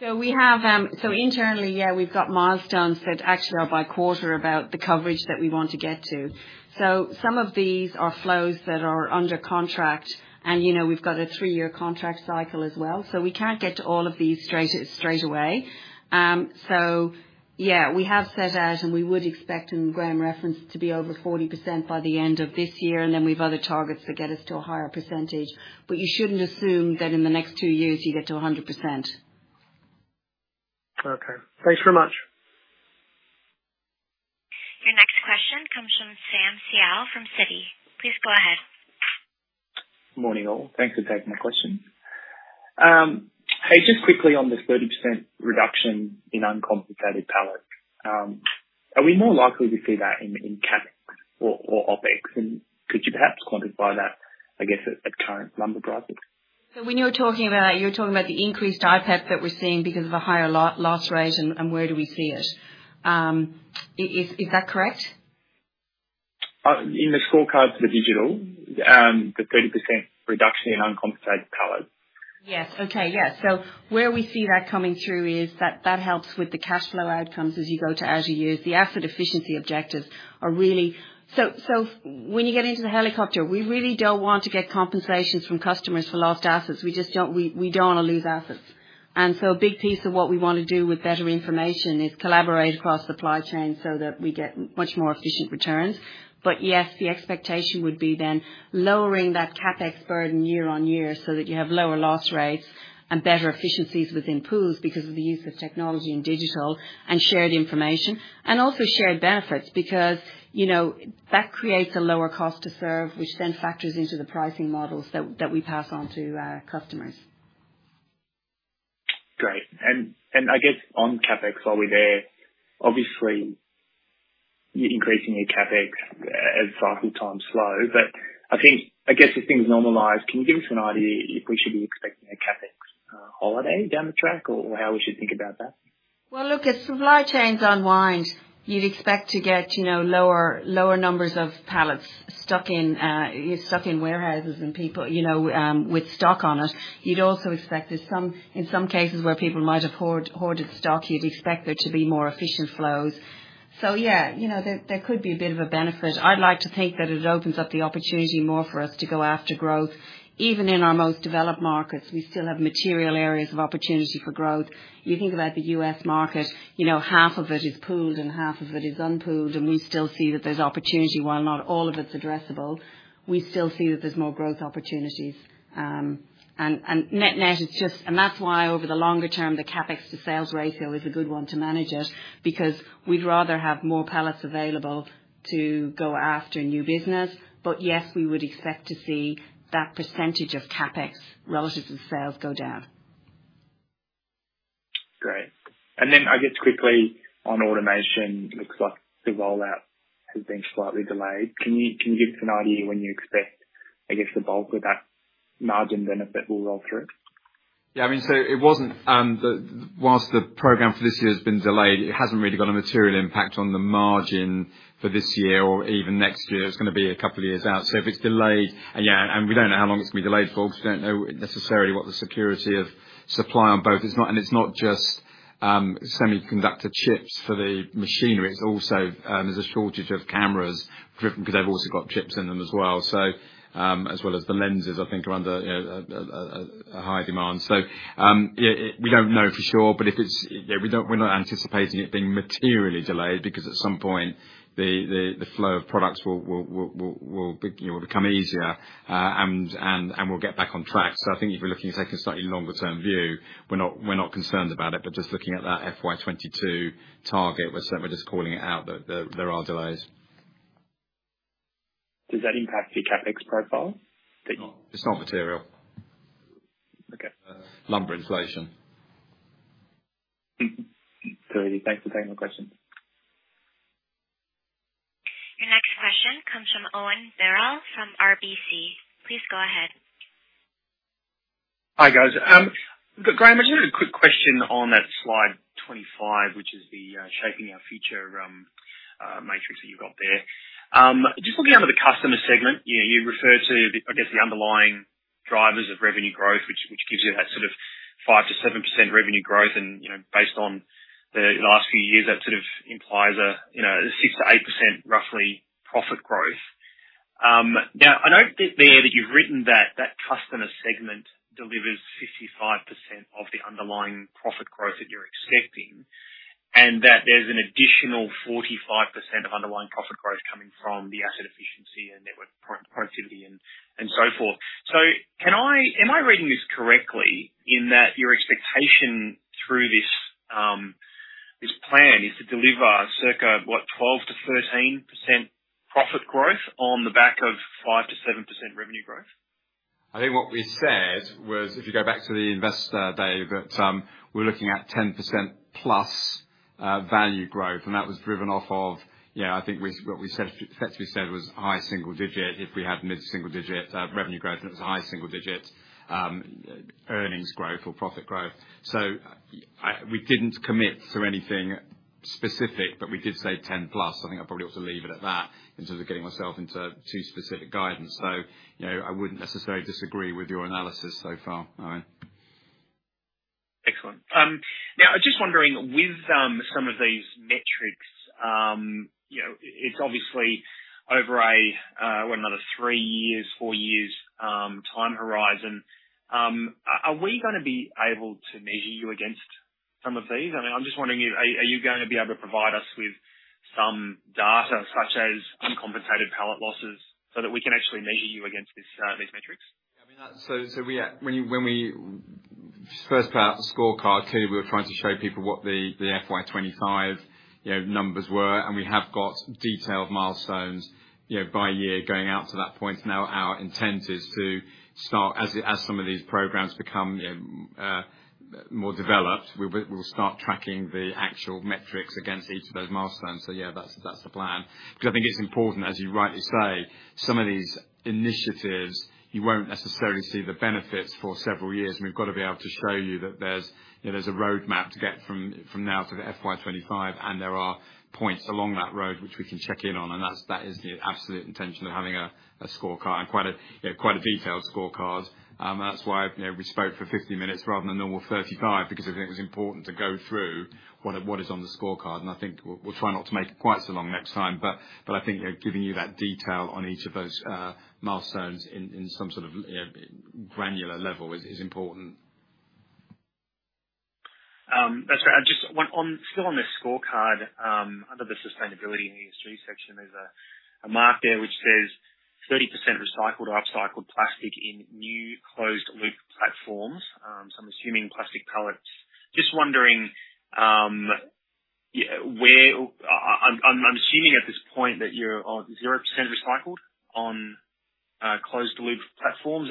We have internally, yeah, we've got milestones that actually are by quarter about the coverage that we want to get to. Some of these are flows that are under contract and, you know, we've got a three-year contract cycle as well. We can't get to all of these straight away. Yeah, we have set out and we would expect, and Graham referenced, to be over 40% by the end of this year. Then we've other targets that get us to a higher percentage. You shouldn't assume that in the next two years you get to 100%.
Okay. Thanks very much.
Your next question comes from Sam Seow from Citi. Please go ahead.
Morning, all. Thanks for taking my questions. Hey, just quickly on this 30% reduction in uncompensated pallets. Are we more likely to see that in CapEx or OpEx? Could you perhaps quantify that, I guess, at current lumber prices?
When you were talking about it, you were talking about the increased IPEP that we're seeing because of a higher loss rate and where do we see it? Is that correct?
In the scorecard for digital, the 30% reduction in uncompensated pallets.
Yes. Okay. Yeah. Where we see that coming through is that helps with the cash flow outcomes as you use. The asset efficiency objectives are really when you get into the helicopter. We really don't want to get compensation from customers for lost assets. We just don't wanna lose assets. A big piece of what we wanna do with better information is collaborate across supply chain so that we get much more efficient returns. Yes, the expectation would be then lowering that CapEx burden year on year so that you have lower loss rates and better efficiencies within pools because of the use of technology and digital and shared information, and also shared benefits. Because, you know, that creates a lower cost to serve, which then factors into the pricing models that we pass on to customers.
Great. I guess on CapEx while we're there, obviously you're increasing your CapEx as cycle times slow. I think, I guess as things normalize, can you give us an idea if we should be expecting a CapEx holiday down the track, or how we should think about that?
Well, look, as supply chains unwind, you'd expect to get, you know, lower numbers of pallets stuck in warehouses and people, you know, with stock on it. You'd also expect there's some in some cases where people might have hoarded stock, you'd expect there to be more efficient flows. Yeah, you know, there could be a bit of a benefit. I'd like to think that it opens up the opportunity more for us to go after growth. Even in our most developed markets, we still have material areas of opportunity for growth. You think about the U.S., market, you know, half of it is pooled and half of it is unpooled, and we still see that there's opportunity. While not all of it's addressable, we still see that there's more growth opportunities. Net-net, it's just. That's why over the longer term, the CapEx to sales ratio is a good one to manage it. Because we'd rather have more pallets available to go after new business. Yes, we would expect to see that percentage of CapEx relative to sales go down.
Great. I guess quickly on automation, looks like the rollout has been slightly delayed. Can you give us an idea when you expect, I guess, the bulk of that margin benefit will roll through?
Yeah. I mean, it wasn't the. While the program for this year has been delayed, it hasn't really got a material impact on the margin for this year or even next year. It's gonna be a couple of years out. If it's delayed. Yeah, we don't know how long it's gonna be delayed for. We don't know necessarily what the security of supply on both. It's not just semiconductor chips for the machinery. It's also there's a shortage of cameras driven 'cause they've also got chips in them as well, so as well as the lenses I think are under, you know, a high demand. Yeah, we don't know for sure, but if it's. Yeah. We're not anticipating it being materially delayed because at some point the flow of products will be, you know, become easier, and we'll get back on track. I think if you're looking to take a slightly longer term view, we're not concerned about it. Just looking at that FY 2022 target, we're just calling it out that there are delays.
Does that impact the CapEx profile?
No, it's not material.
Okay.
Lumber inflation.
Clearly. Thanks for taking my question.
Your next question comes from Owen Birrell from RBC. Please go ahead.
Hi, guys. Graham, I just had a quick question on that slide 25, which is the Shaping Our Future matrix that you've got there. Just looking under the customer segment, you know, you refer to I guess the underlying drivers of revenue growth which gives you that sort of 5%-7% revenue growth. You know, based on the last few years, that sort of implies a, you know, 6%-8% roughly profit growth. Now I note that you've written that customer segment delivers 55% of the underlying profit growth that you're expecting, and that there's an additional 45% of underlying profit growth coming from the asset efficiency and network productivity and so forth. Am I reading this correctly in that your expectation through this plan is to deliver circa what? 12%-13% profit growth on the back of 5%-7% revenue growth?
I think what we said was if you go back to the investor day that we're looking at 10%+ value growth and that was driven off of you know I think what we said effectively was high single digit. If we had mid-single digit revenue growth and it was a high single digit earnings growth or profit growth. We didn't commit to anything specific but we did say 10+. I think I probably ought to leave it at that in terms of getting myself into too specific guidance. You know I wouldn't necessarily disagree with your analysis so far Owen.
Excellent. Now just wondering with some of these metrics, you know, it's obviously over a what another three years, four years time horizon. Are we gonna be able to measure you against some of these? I mean, I'm just wondering are you gonna be able to provide us with some data such as uncompensated pallet losses so that we can actually measure you against this, these metrics?
I mean, that's, so we, when we first put out the scorecard, clearly we were trying to show people what the FY 2025, you know, numbers were. We have got detailed milestones, you know, by year going out to that point. Now, our intent is to start as some of these programs become, you know, more developed, we'll start tracking the actual metrics against each of those milestones. Yeah, that's the plan because I think it's important, as you rightly say, some of these initiatives, you won't necessarily see the benefits for several years. We've got to be able to show you that there's, you know, a roadmap to get from now to the FY 2025. There are points along that road which we can check in on. That's the absolute intention of having a scorecard and quite a detailed scorecard. That's why, you know, we spoke for 50 minutes rather than the normal 35 because I think it was important to go through what is on the scorecard. I think we'll try not to make it quite so long next time. I think, you know, giving you that detail on each of those milestones in some sort of granular level is important.
That's fair. I just want still on the scorecard, under the sustainability and ESG section, there's a mark there which says 30% recycled or upcycled plastic in new closed loop platforms. So I'm assuming plastic pallets. Just wondering, I'm assuming at this point that you're on 0% recycled on closed loop platforms.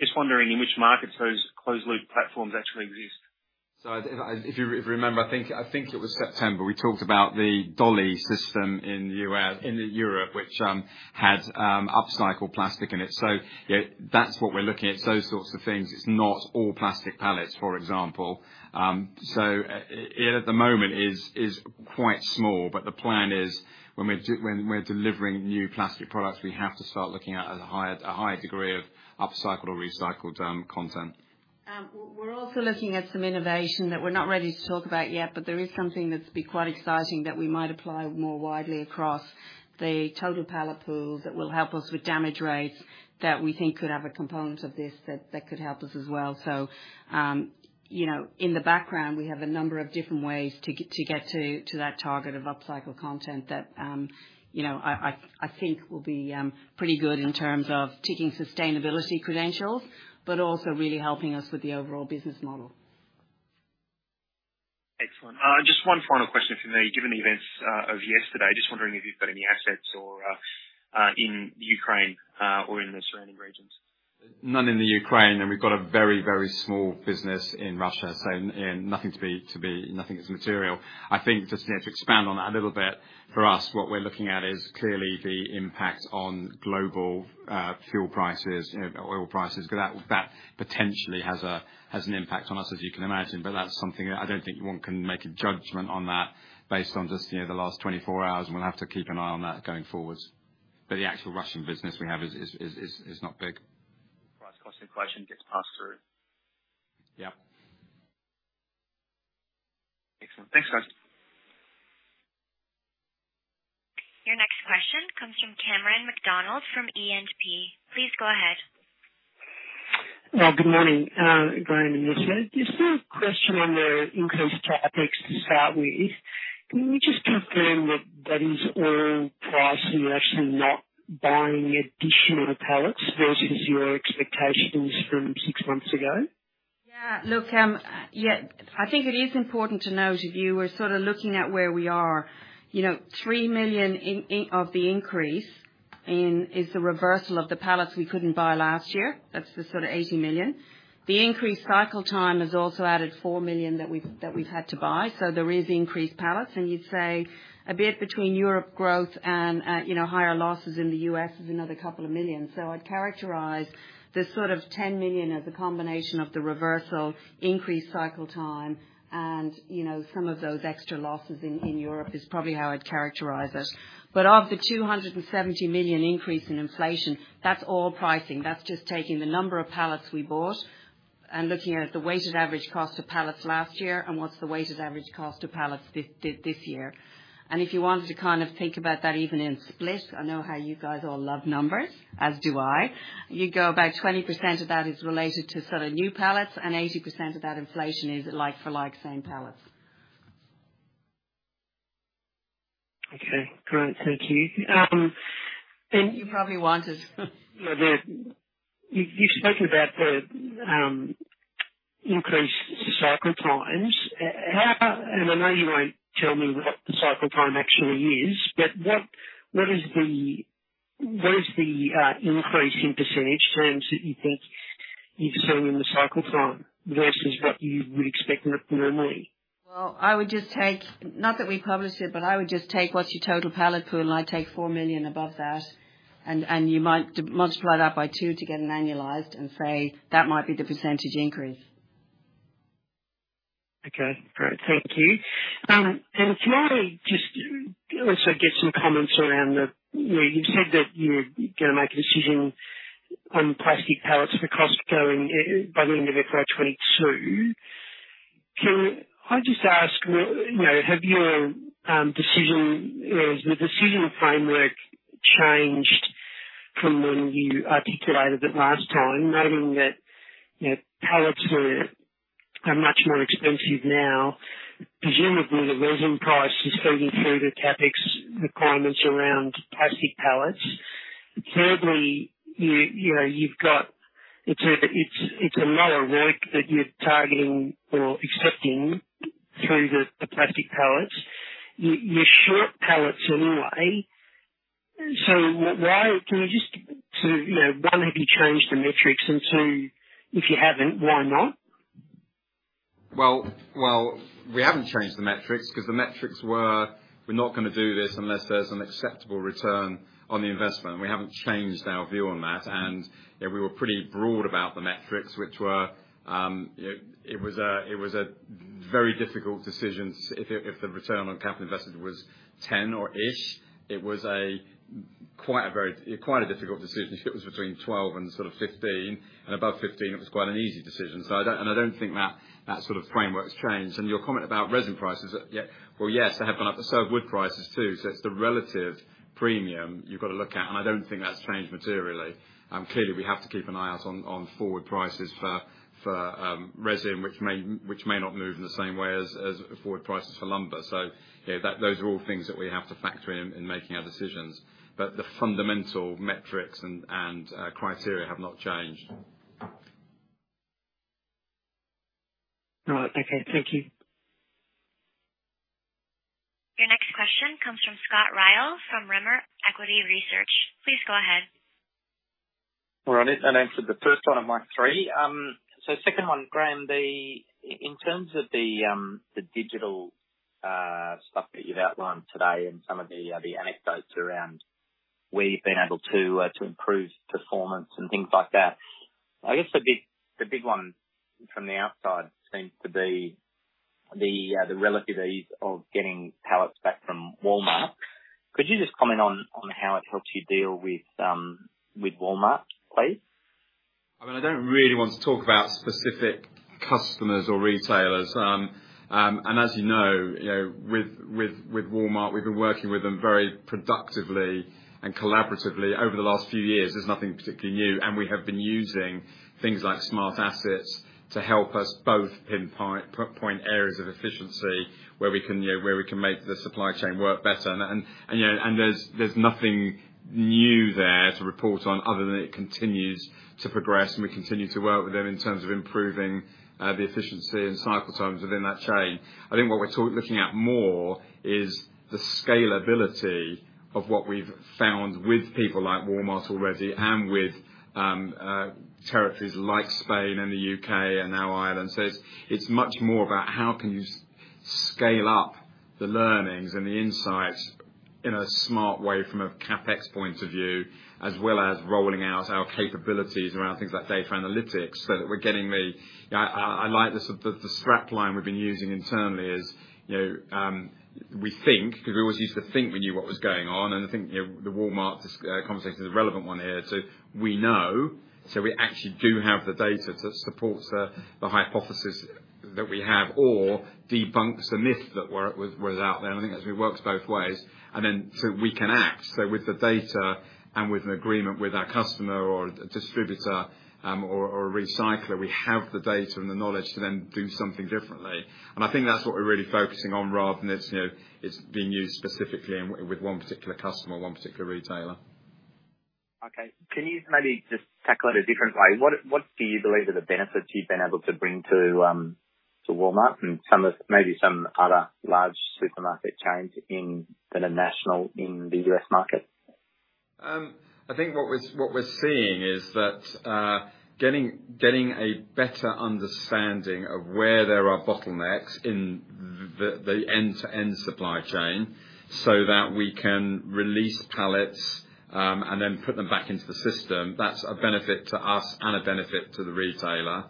Just wondering in which markets those closed loop platforms actually exist.
If you remember, it was September, we talked about the dolly system in Europe, which had upcycled plastic in it. Yeah, that's what we're looking at, those sorts of things. It's not all plastic pallets, for example. It at the moment is quite small. The plan is when we're delivering new plastic products, we have to start looking at a higher degree of upcycled or recycled content.
We're also looking at some innovation that we're not ready to talk about yet, but there is something that could be quite exciting that we might apply more widely across the total pallet pool that will help us with damage rates that we think could have a component of this that could help us as well. You know, in the background we have a number of different ways to get to that target of upcycled content that you know, I think will be pretty good in terms of ticking sustainability credentials, but also really helping us with the overall business model.
Excellent. Just one final question for me. Given the events of yesterday, just wondering if you've got any assets or in Ukraine or in the surrounding regions.
None in the Ukraine. We've got a very, very small business in Russia. Nothing is material. I think just, you know, to expand on that a little bit, for us, what we're looking at is clearly the impact on global fuel prices, you know, oil prices. That potentially has an impact on us, as you can imagine. That's something I don't think one can make a judgment on that based on just, you know, the last 24 hours. We'll have to keep an eye on that going forward. The actual Russian business we have is not big.
price constant question gets passed through.
Yeah.
Excellent. Thanks, guys.
Your next question comes from Cameron McDonald from E&P. Please go ahead.
Well, good morning, Graham and Nessa. Just a question on the increased CapEx to start with. Can you just confirm that that is all price and you're actually not buying additional pallets versus your expectations from six months ago?
I think it is important to note, if you were sort of looking at where we are, you know, $3 million of the increase in is the reversal of the pallets we couldn't buy last year. That's the sort of $80 million. The increased cycle time has also added $4 million that we've had to buy. There is increased pallets. You'd say a bit between Europe growth and, you know, higher losses in the U.S., is another couple of million. I'd characterize the sort of $10 million as a combination of the reversal, increased cycle time and, you know, some of those extra losses in Europe is probably how I'd characterize it. Of the $270 million increase in inflation, that's all pricing. That's just taking the number of pallets we bought and looking at the weighted average cost of pallets last year and what's the weighted average cost of pallets this year. If you wanted to kind of think about that even in split, I know how you guys all love numbers, as do I. You go about 20% of that is related to sort of new pallets and 80% of that inflation is like for like same pallets.
Okay, great. Thank you.
You probably wanted.
No, no. You've spoken about the increased cycle times. I know you won't tell me what the cycle time actually is, but what is the increase in percentage terms that you think you're seeing in the cycle time versus what you would expect normally?
Well, I would just take, not that we publish it, but I would just take what's your total pallet pool, and I take 4 million above that. You might multiply that by 2 to get an annualized and say that might be the percentage increase.
Okay, great. Thank you. Can I just also get some comments around. You know, you said that you're gonna make a decision on plastic pallets for Costco by the end of FY 2022. Can I just ask, you know, has the decision framework changed from when you articulated it last time? Noting that, you know, pallets are much more expensive now. Presumably, the resin price is feeding through the CapEx requirements around plastic pallets. Thirdly, you know, you've got it's a lot of work that you're targeting or accepting through the plastic pallets. You're short pallets anyway. Why? You know, one, have you changed the metrics? Two, if you haven't, why not?
Well, we haven't changed the metrics 'cause the metrics we're not gonna do this unless there's an acceptable return on the investment. We haven't changed our view on that. You know, we were pretty broad about the metrics, which were it was a very difficult decision if the return on capital invested was 10 or so, it was quite a very difficult decision. If it was between 12 and sort of 15 and above 15, it was quite an easy decision. I don't, and I don't think that sort of framework's changed. Your comment about resin prices. Yeah. Well, yes, they have gone up. Have wood prices too. It's the relative premium you've got to look at, and I don't think that's changed materially. Clearly, we have to keep an eye out on forward prices for resin, which may not move in the same way as forward prices for lumber. You know, those are all things that we have to factor in making our decisions. The fundamental metrics and criteria have not changed.
All right. Okay. Thank you.
Your next question comes from Scott Ryall, from Rimor Equity Research. Please go ahead.
All right. Answer the first one of my three. Second one, Graham, in terms of the digital stuff that you've outlined today and some of the anecdotes around where you've been able to improve performance and things like that, I guess the big one from the outside seems to be the relative ease of getting pallets back from Walmart. Could you just comment on how it helps you deal with Walmart, please?
I mean, I don't really want to talk about specific customers or retailers. As you know, you know, with Walmart, we've been working with them very productively and collaboratively over the last few years. There's nothing particularly new. We have been using things like smart assets to help us both pinpoint areas of efficiency where we can make the supply chain work better. You know, and there's nothing new there to report on other than it continues to progress, and we continue to work with them in terms of improving the efficiency and cycle times within that chain. I think what we're looking at more is the scalability of what we've found with people like Walmart already and with territories like Spain and the U.K. and now Ireland. It's much more about how you can scale up the learnings and the insights in a smart way from a CapEx point of view, as well as rolling out our capabilities around things like data analytics so that we're getting the. I like the strap line we've been using internally is, you know, we think because we always used to think we knew what was going on, and I think, you know, the Walmart conversation is a relevant one here. We actually do have the data to support the hypothesis that we have or debunks a myth that was out there. Then we can act. With the data and with an agreement with our customer or distributor, or recycler, we have the data and the knowledge to then do something differently. I think that's what we're really focusing on rather than it's, you know, being used specifically with one particular customer, one particular retailer.
Okay. Can you maybe just tackle it a different way? What do you believe are the benefits you've been able to bring to Walmart and maybe some other large supermarket chains that are national in the U.S., market?
I think what we're seeing is that getting a better understanding of where there are bottlenecks in the end-to-end supply chain so that we can release pallets and then put them back into the system, that's a benefit to us and a benefit to the retailer.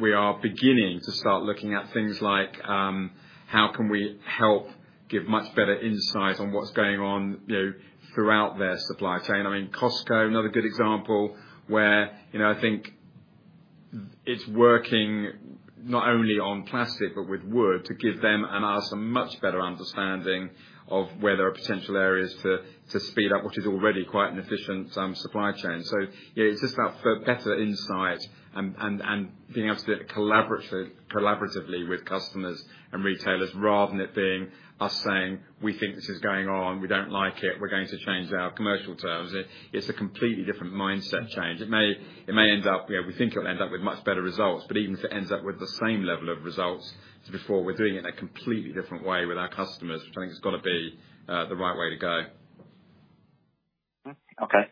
We are beginning to start looking at things like how can we help give much better insight on what's going on, you know, throughout their supply chain. I mean, Costco, another good example, where, you know, I think it's working not only on plastic but with wood to give them and us a much better understanding of where there are potential areas to speed up, which is already quite an efficient supply chain. Yeah, it's just that for better insight and being able to do it collaboratively with customers and retailers rather than it being us saying, "We think this is going on. We don't like it. We're going to change our commercial terms." It's a completely different mindset change. It may end up. You know, we think it'll end up with much better results, but even if it ends up with the same level of results as before, we're doing it in a completely different way with our customers, which I think has got to be the right way to go.
Okay.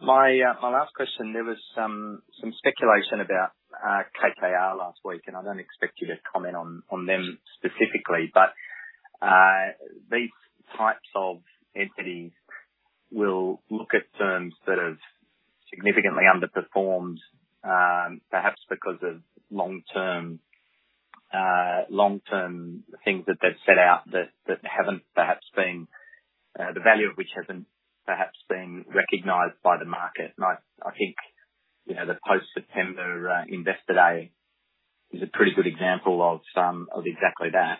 My last question, there was some speculation about KKR last week, and I don't expect you to comment on them specifically, but these types of entities will look at terms that have significantly underperformed, perhaps because of long-term things that they've set out that haven't perhaps been, the value of which hasn't perhaps been recognized by the market. I think, you know, the post-September Investor Day is a pretty good example of some of exactly that.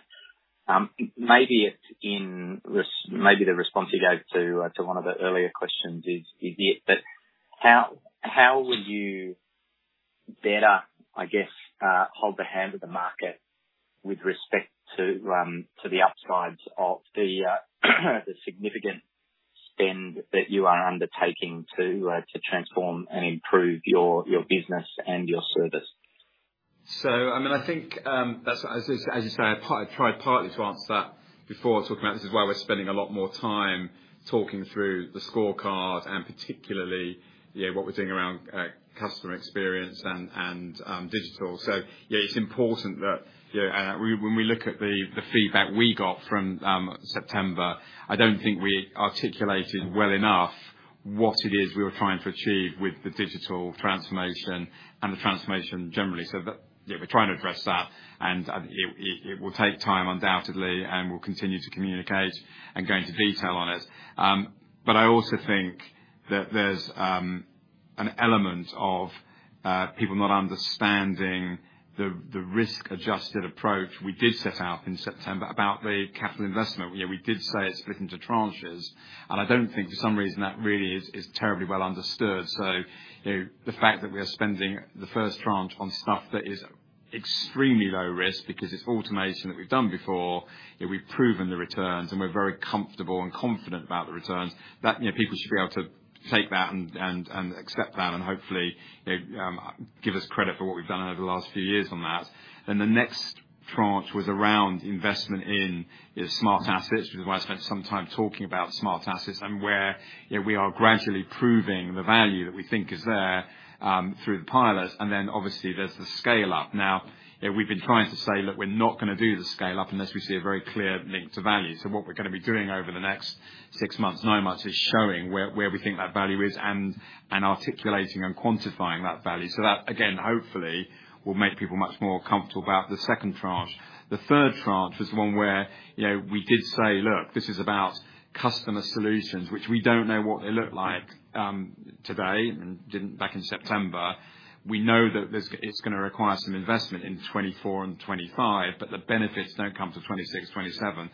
Maybe the response you gave to one of the earlier questions is it. How will you better, I guess, hold the hand of the market with respect to the upsides of the significant spend that you are undertaking to transform and improve your business and your service?
I mean, I think, that's as you say, I tried partly to answer that before talking about, this is why we're spending a lot more time talking through the scorecard and particularly, you know, what we're doing around customer experience and digital. Yeah, it's important that, you know, when we look at the feedback we got from September, I don't think we articulated well enough what it is we were trying to achieve with the digital transformation and the transformation generally. That, you know, we're trying to address that, and it will take time undoubtedly, and we'll continue to communicate and go into detail on it. I also think that there's an element of people not understanding the risk-adjusted approach we did set out in September about the capital investment. You know, we did say it's split into tranches, and I don't think for some reason that really is terribly well understood. You know, the fact that we are spending the first tranche on stuff that is extremely low risk because it's automation that we've done before, you know, we've proven the returns, and we're very comfortable and confident about the returns. You know, people should be able to take that and accept that and hopefully give us credit for what we've done over the last few years on that. The next tranche was around investment in smart assets. Which is why I spent some time talking about smart assets and where, you know, we are gradually proving the value that we think is there, through the pilots. Then obviously, there's the scale up. Now, you know, we've been trying to say, look, we're not gonna do the scale up unless we see a very clear link to value. So what we're gonna be doing over the next six months, nine months, is showing where we think that value is and articulating and quantifying that value. So that, again, hopefully will make people much more comfortable about the second tranche. The third tranche was the one where, you know, we did say, look, this is about customer solutions, which we don't know what they look like, today and didn't back in September. We know that it's gonna require some investment in 2024 and 2025, but the benefits don't come till 2026, 2027.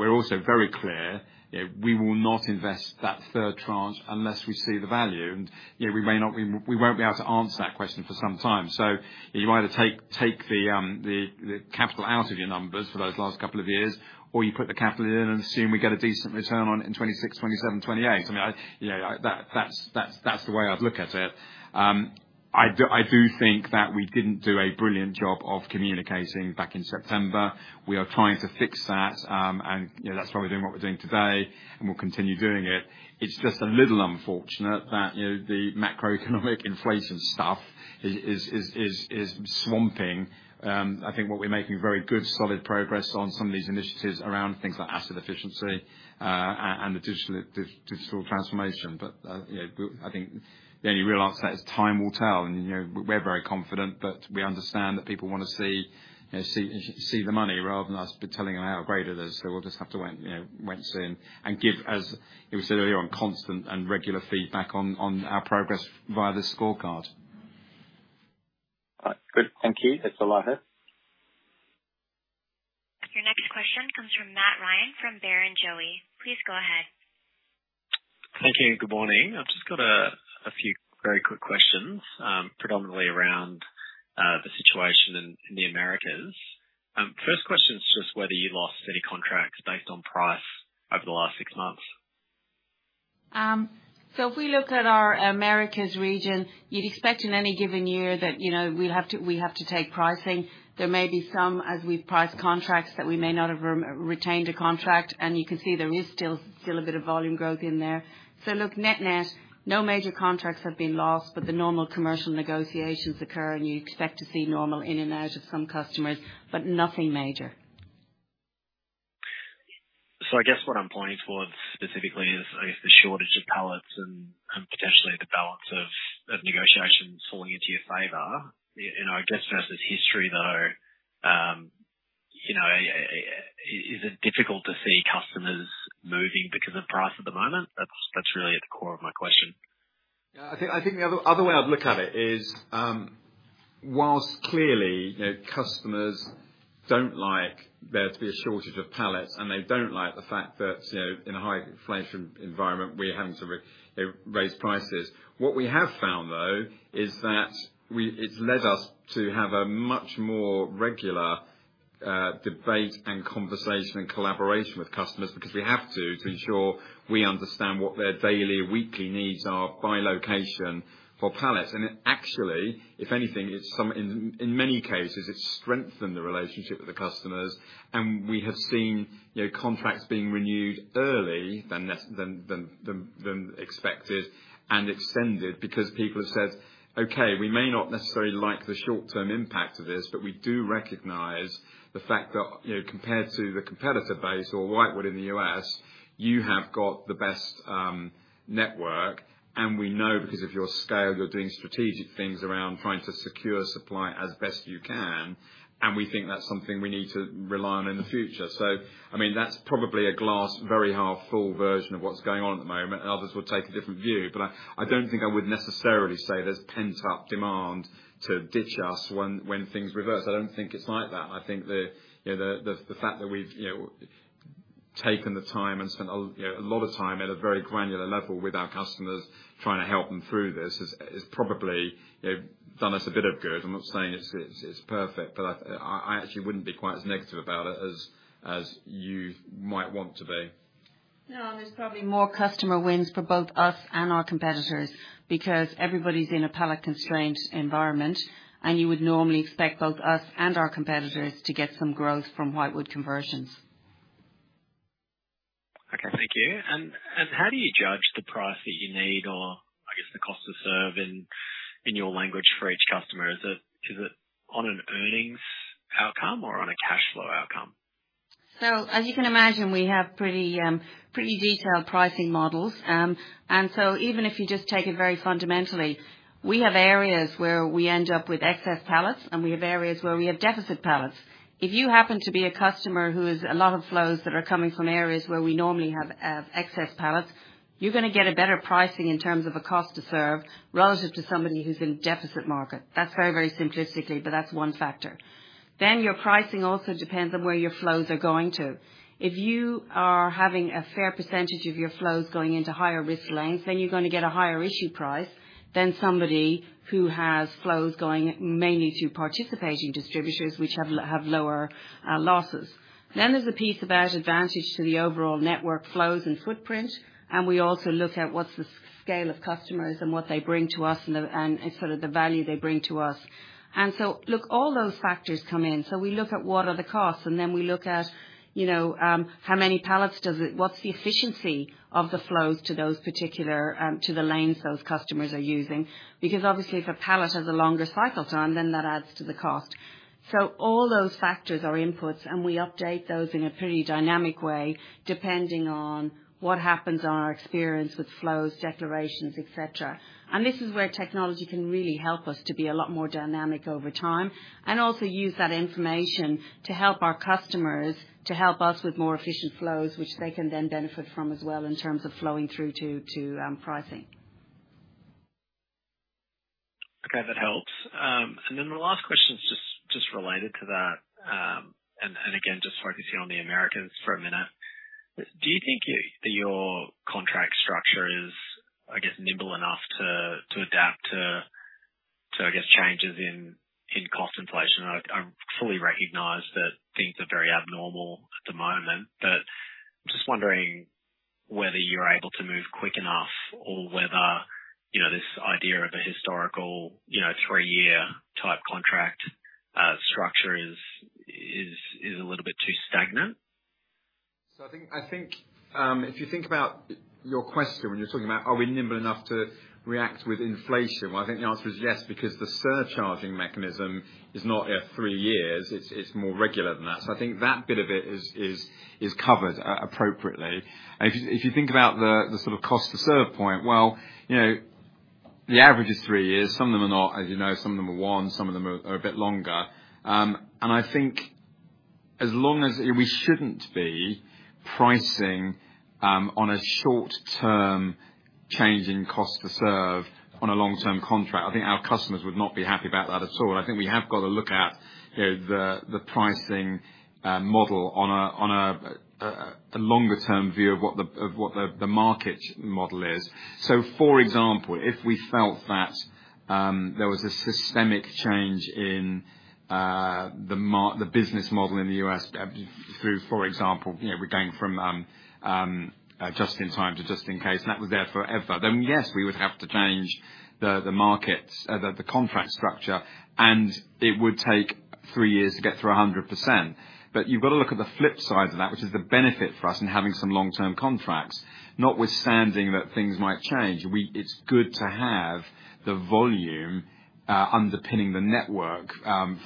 We're also very clear, you know, we will not invest that third tranche unless we see the value. You know, we won't be able to answer that question for some time. You either take the capital out of your numbers for those last couple of years, or you put the capital in and assume we get a decent return on it in 2026, 2027, 2028. I mean, you know, that's the way I'd look at it. I do think that we didn't do a brilliant job of communicating back in September. We are trying to fix that, and, you know, that's why we're doing what we're doing today, and we'll continue doing it. It's just a little unfortunate that, you know, the macroeconomic inflation stuff is swamping, I think, what we're making very good, solid progress on some of these initiatives around things like asset efficiency, and the digital transformation. I think the only real answer to that is time will tell. You know, we're very confident, but we understand that people wanna see, you know, see the money rather than us be telling them how great it is. We'll just have to wait, you know, wait and see and give, as you said earlier on, constant and regular feedback on our progress via the scorecard.
All right. Good. Thank you. That's all I have.
Your next question comes from Matt Ryan from Barrenjoey. Please go ahead.
Thank you, and good morning. I've just got a few very quick questions, predominantly around the situation in the Americas.
First question is just whether you lost any contracts based on price over the last six months.
If we look at our Americas region, you'd expect in any given year that, you know, we have to take pricing. There may be some, as we price contracts that we may not have retained a contract, and you can see there is still a bit of volume growth in there. Look, net, no major contracts have been lost, but the normal commercial negotiations occur, and you expect to see normal in and out of some customers, but nothing major.
I guess what I'm pointing towards specifically is, I guess, the shortage of pallets and potentially the balance of negotiations falling into your favor. You know, I guess versus history, though, you know, is it difficult to see customers moving because of price at the moment? That's really at the core of my question.
I think the other way I'd look at it is, whilst clearly, you know, customers don't like there to be a shortage of pallets, and they don't like the fact that, you know, in a high inflation environment, we're having to re-raise prices. What we have found, though, is that it's led us to have a much more regular debate and conversation and collaboration with customers because we have to ensure we understand what their daily, weekly needs are by location for pallets. It actually, if anything, in many cases, it's strengthened the relationship with the customers. We have seen, you know, contracts being renewed earlier than expected and extended because people have said, "Okay, we may not necessarily like the short-term impact of this, but we do recognize the fact that, you know, compared to the competitor base or whitewood in the U.S., you have got the best network. We know because of your scale, you're doing strategic things around trying to secure supply as best you can. We think that's something we need to rely on in the future." So I mean, that's probably a glass half full version of what's going on at the moment, and others will take a different view. But I don't think I would necessarily say there's pent-up demand to ditch us when things reverse. I don't think it's like that. I think you know the fact that we've you know taken the time and spent you know a lot of time at a very granular level with our customers, trying to help them through this is probably you know done us a bit of good. I'm not saying it's perfect, but I actually wouldn't be quite as negative about it as you might want to be.
No, there's probably more customer wins for both us and our competitors because everybody's in a pallet-constrained environment, and you would normally expect both us and our competitors to get some growth from whitewood conversions.
Okay, thank you. How do you judge the price that you need or I guess the cost to serve in your language for each customer? Is it on an earnings outcome or on a cash flow outcome?
As you can imagine, we have pretty detailed pricing models. Even if you just take it very fundamentally, we have areas where we end up with excess pallets, and we have areas where we have deficit pallets. If you happen to be a customer who has a lot of flows that are coming from areas where we normally have excess pallets, you're gonna get a better pricing in terms of a cost to serve relative to somebody who's in a deficit market. That's very simplistically, but that's one factor. Your pricing also depends on where your flows are going to. If you are having a fair percentage of your flows going into higher risk lengths, then you're gonna get a higher issue price than somebody who has flows going mainly to participating distributors which have lower losses. There's a piece about advantage to the overall network flows and footprint, and we also look at what's the scale of customers and what they bring to us and the, and sort of the value they bring to us. Look, all those factors come in. We look at what are the costs, and then we look at, you know, what's the efficiency of the flows to those particular, to the lanes those customers are using. Because obviously, if a pallet has a longer cycle time, then that adds to the cost. All those factors are inputs, and we update those in a pretty dynamic way, depending on what happens on our experience with flows, declarations, et cetera. This is where technology can really help us to be a lot more dynamic over time, and also use that information to help our customers to help us with more efficient flows which they can then benefit from as well in terms of flowing through to pricing.
Okay, that helps. And then the last question is just related to that, and again, just focusing on the Americans for a minute. Do you think your contract structure is, I guess, nimble enough to adapt to, I guess, changes in cost inflation? I fully recognize that things are very abnormal at the moment, but just wondering whether you're able to move quick enough or whether, you know, this idea of a historical, you know, three-year type contract structure is a little bit too stagnant.
I think if you think about your question when you're talking about, are we nimble enough to react with inflation? Well, I think the answer is yes, because the surcharging mechanism is not at three years. It's more regular than that. I think that bit of it is covered appropriately. If you think about the sort of cost to serve point, well, you know, the average is three years. Some of them are not, as you know. Some of them are one, some of them are a bit longer. I think as long as we shouldn't be pricing on a short-term change in cost to serve on a long-term contract. I think our customers would not be happy about that at all. I think we have got to look at, you know, the pricing model on a longer-term view of what the market model is. For example, if we felt that there was a systemic change in the business model in the U.S. through, for example, you know, we're going from just-in-time to just-in-case, and that was there forever, then yes, we would have to change the market structure, and it would take three years to get through 100%. You've got to look at the flip side of that, which is the benefit for us in having some long-term contracts. Notwithstanding that things might change, it's good to have the volume underpinning the network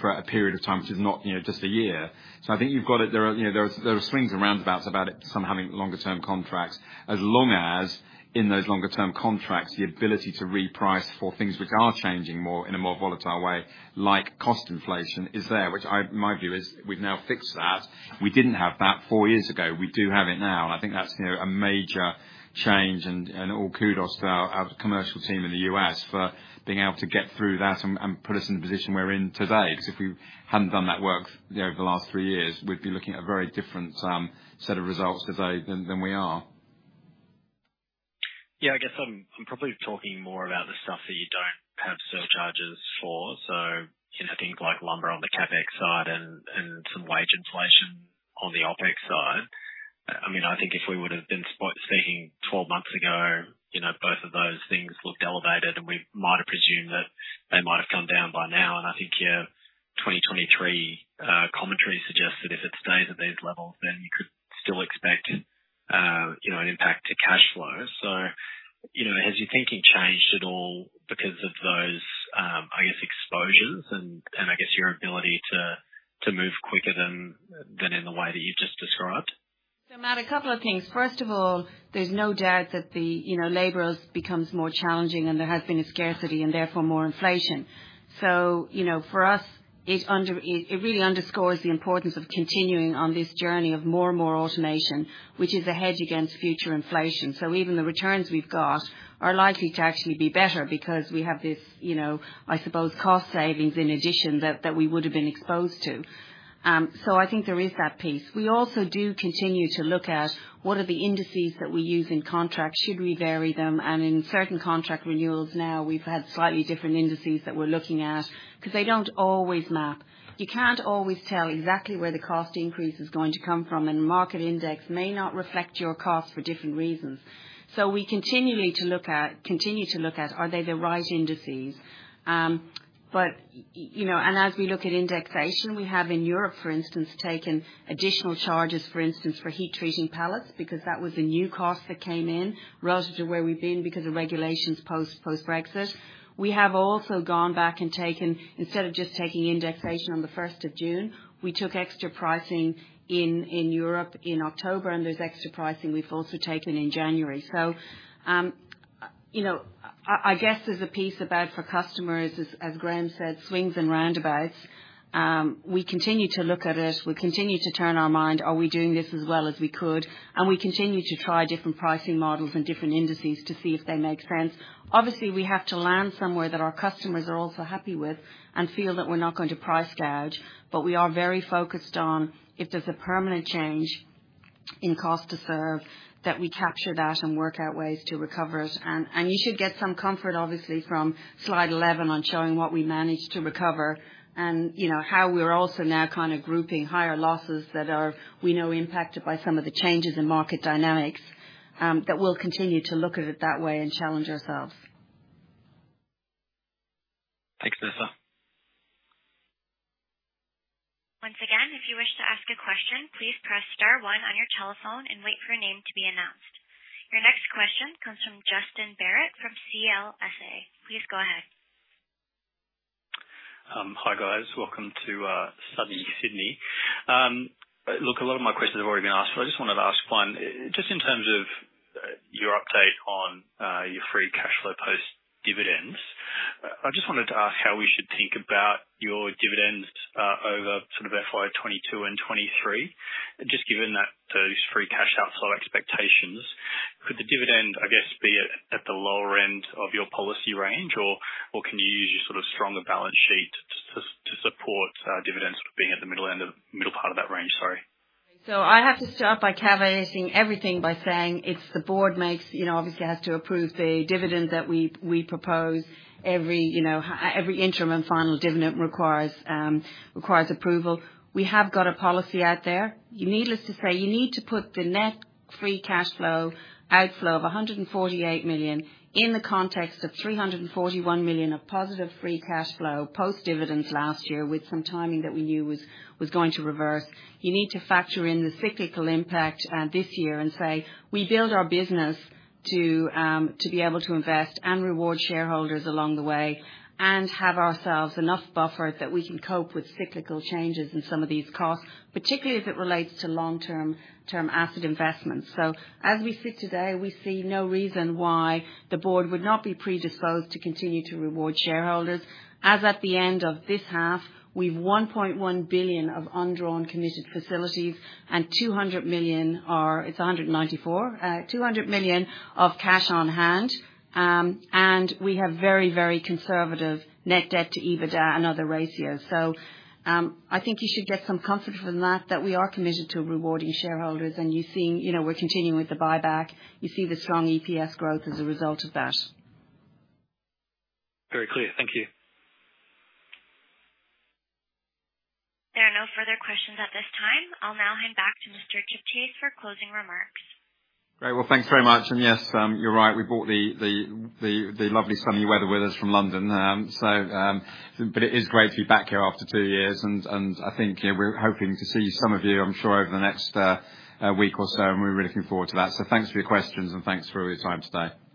for a period of time, which is not, you know, just a year. I think you've got it. There are, you know, swings and roundabouts about it, some having longer term contracts. As long as in those longer term contracts, the ability to reprice for things which are changing more in a more volatile way, like cost inflation is there. Which, my view is we've now fixed that. We didn't have that four years ago. We do have it now. I think that's, you know, a major change and all kudos to our commercial team in the U.S. for being able to get through that and put us in a position we're in today. Because if we hadn't done that work, you know, over the last three years, we'd be looking at a very different set of results today than we are.
Yeah, I guess I'm probably talking more about the stuff that you don't have surcharges for. You know, things like lumber on the CapEx side and some wage inflation on the OpEx side. I mean, I think if we would've been spot checking 12 months ago, you know, both of those things looked elevated, and we might have presumed that they might have come down by now. I think your 2023 commentary suggests that if it stays at these levels, then you could still expect you know, an impact to cash flow. You know, has your thinking changed at all because of those, I guess, exposures and I guess your ability to move quicker than in the way that you've just described?
Matt, a couple of things. First of all, there's no doubt that the labor has become more challenging and there has been a scarcity and therefore more inflation. You know, for us, it really underscores the importance of continuing on this journey of more and more automation, which is a hedge against future inflation. Even the returns we've got are likely to actually be better because we have this, you know, I suppose, cost savings in addition that we would've been exposed to. I think there is that piece. We also do continue to look at what are the indices that we use in contracts, should we vary them? In certain contract renewals now we've had slightly different indices that we're looking at 'cause they don't always map. You can't always tell exactly where the cost increase is going to come from, and the market index may not reflect your cost for different reasons. We continue to look at are they the right indices. You know, as we look at indexation, we have in Europe, for instance, taken additional charges, for instance, for heat treating pallets because that was a new cost that came in relative to where we've been because of regulations post-Brexit. We have also gone back and taken, instead of just taking indexation on the first of June, we took extra pricing in Europe in October, and there's extra pricing we've also taken in January. You know, I guess there's a piece about for customers as Graham said, swings and roundabouts. We continue to look at it. We continue to turn our mind, are we doing this as well as we could? We continue to try different pricing models and different indices to see if they make sense. Obviously, we have to land somewhere that our customers are also happy with and feel that we're not going to price gouge, but we are very focused on if there's a permanent change in cost to serve, that we capture that and work out ways to recover it. You should get some comfort, obviously, from slide 11 on showing what we managed to recover and, you know, how we're also now kind of grouping higher losses that are, we know, impacted by some of the changes in market dynamics, that we'll continue to look at it that way and challenge ourselves.
Thanks, Nessa.
Once again, if you wish to ask a question, please press * one on your telephone and wait for your name to be announced. Your next question comes from Justin Barratt from CLSA. Please go ahead.
Hi guys. Welcome to sunny Sydney. Look, a lot of my questions have already been asked, but I just wanted to ask one. Just in terms of your update on your free cash flow post dividends, I just wanted to ask how we should think about your dividends over sort of FY 2022 and 2023, just given that those free cash outflow expectations. Could the dividend, I guess, be at the lower end of your policy range or can you use your sort of stronger balance sheet to support dividends being at the middle part of that range? Sorry.
I have to start by caveating everything by saying it's the board that makes, obviously, has to approve the dividend that we propose. Every interim and final dividend requires approval. We have got a policy out there. Needless to say, you need to put the net free cash flow outflow of $148 million in the context of $341 million of positive free cash flow post-dividends last year with some timing that we knew was going to reverse. You need to factor in the cyclical impact this year and say, we build our business to be able to invest and reward shareholders along the way, and have ourselves enough buffer that we can cope with cyclical changes in some of these costs, particularly if it relates to long term asset investments. As we sit today, we see no reason why the board would not be predisposed to continue to reward shareholders. As at the end of this half, we've $1.1 billion of undrawn committed facilities and $200 million, or it's $194, $200 million of cash on hand. We have very, very conservative net debt to EBITDA and other ratios. I think you should get some comfort from that we are committed to rewarding shareholders. You've seen, you know, we're continuing with the buyback. You see the strong EPS growth as a result of that.
Very clear. Thank you.
There are no further questions at this time. I'll now hand back to Mr. Chipchase for closing remarks. Great. Well, thanks very much. Yes, you're right, we brought the lovely sunny weather with us from London. But it is great to be back here after two years and I think, you know, we're hoping to see some of you, I'm sure, over the next week or so, and we're really looking forward to that. Thanks for your questions, and thanks for all your time today.
Thanks very much.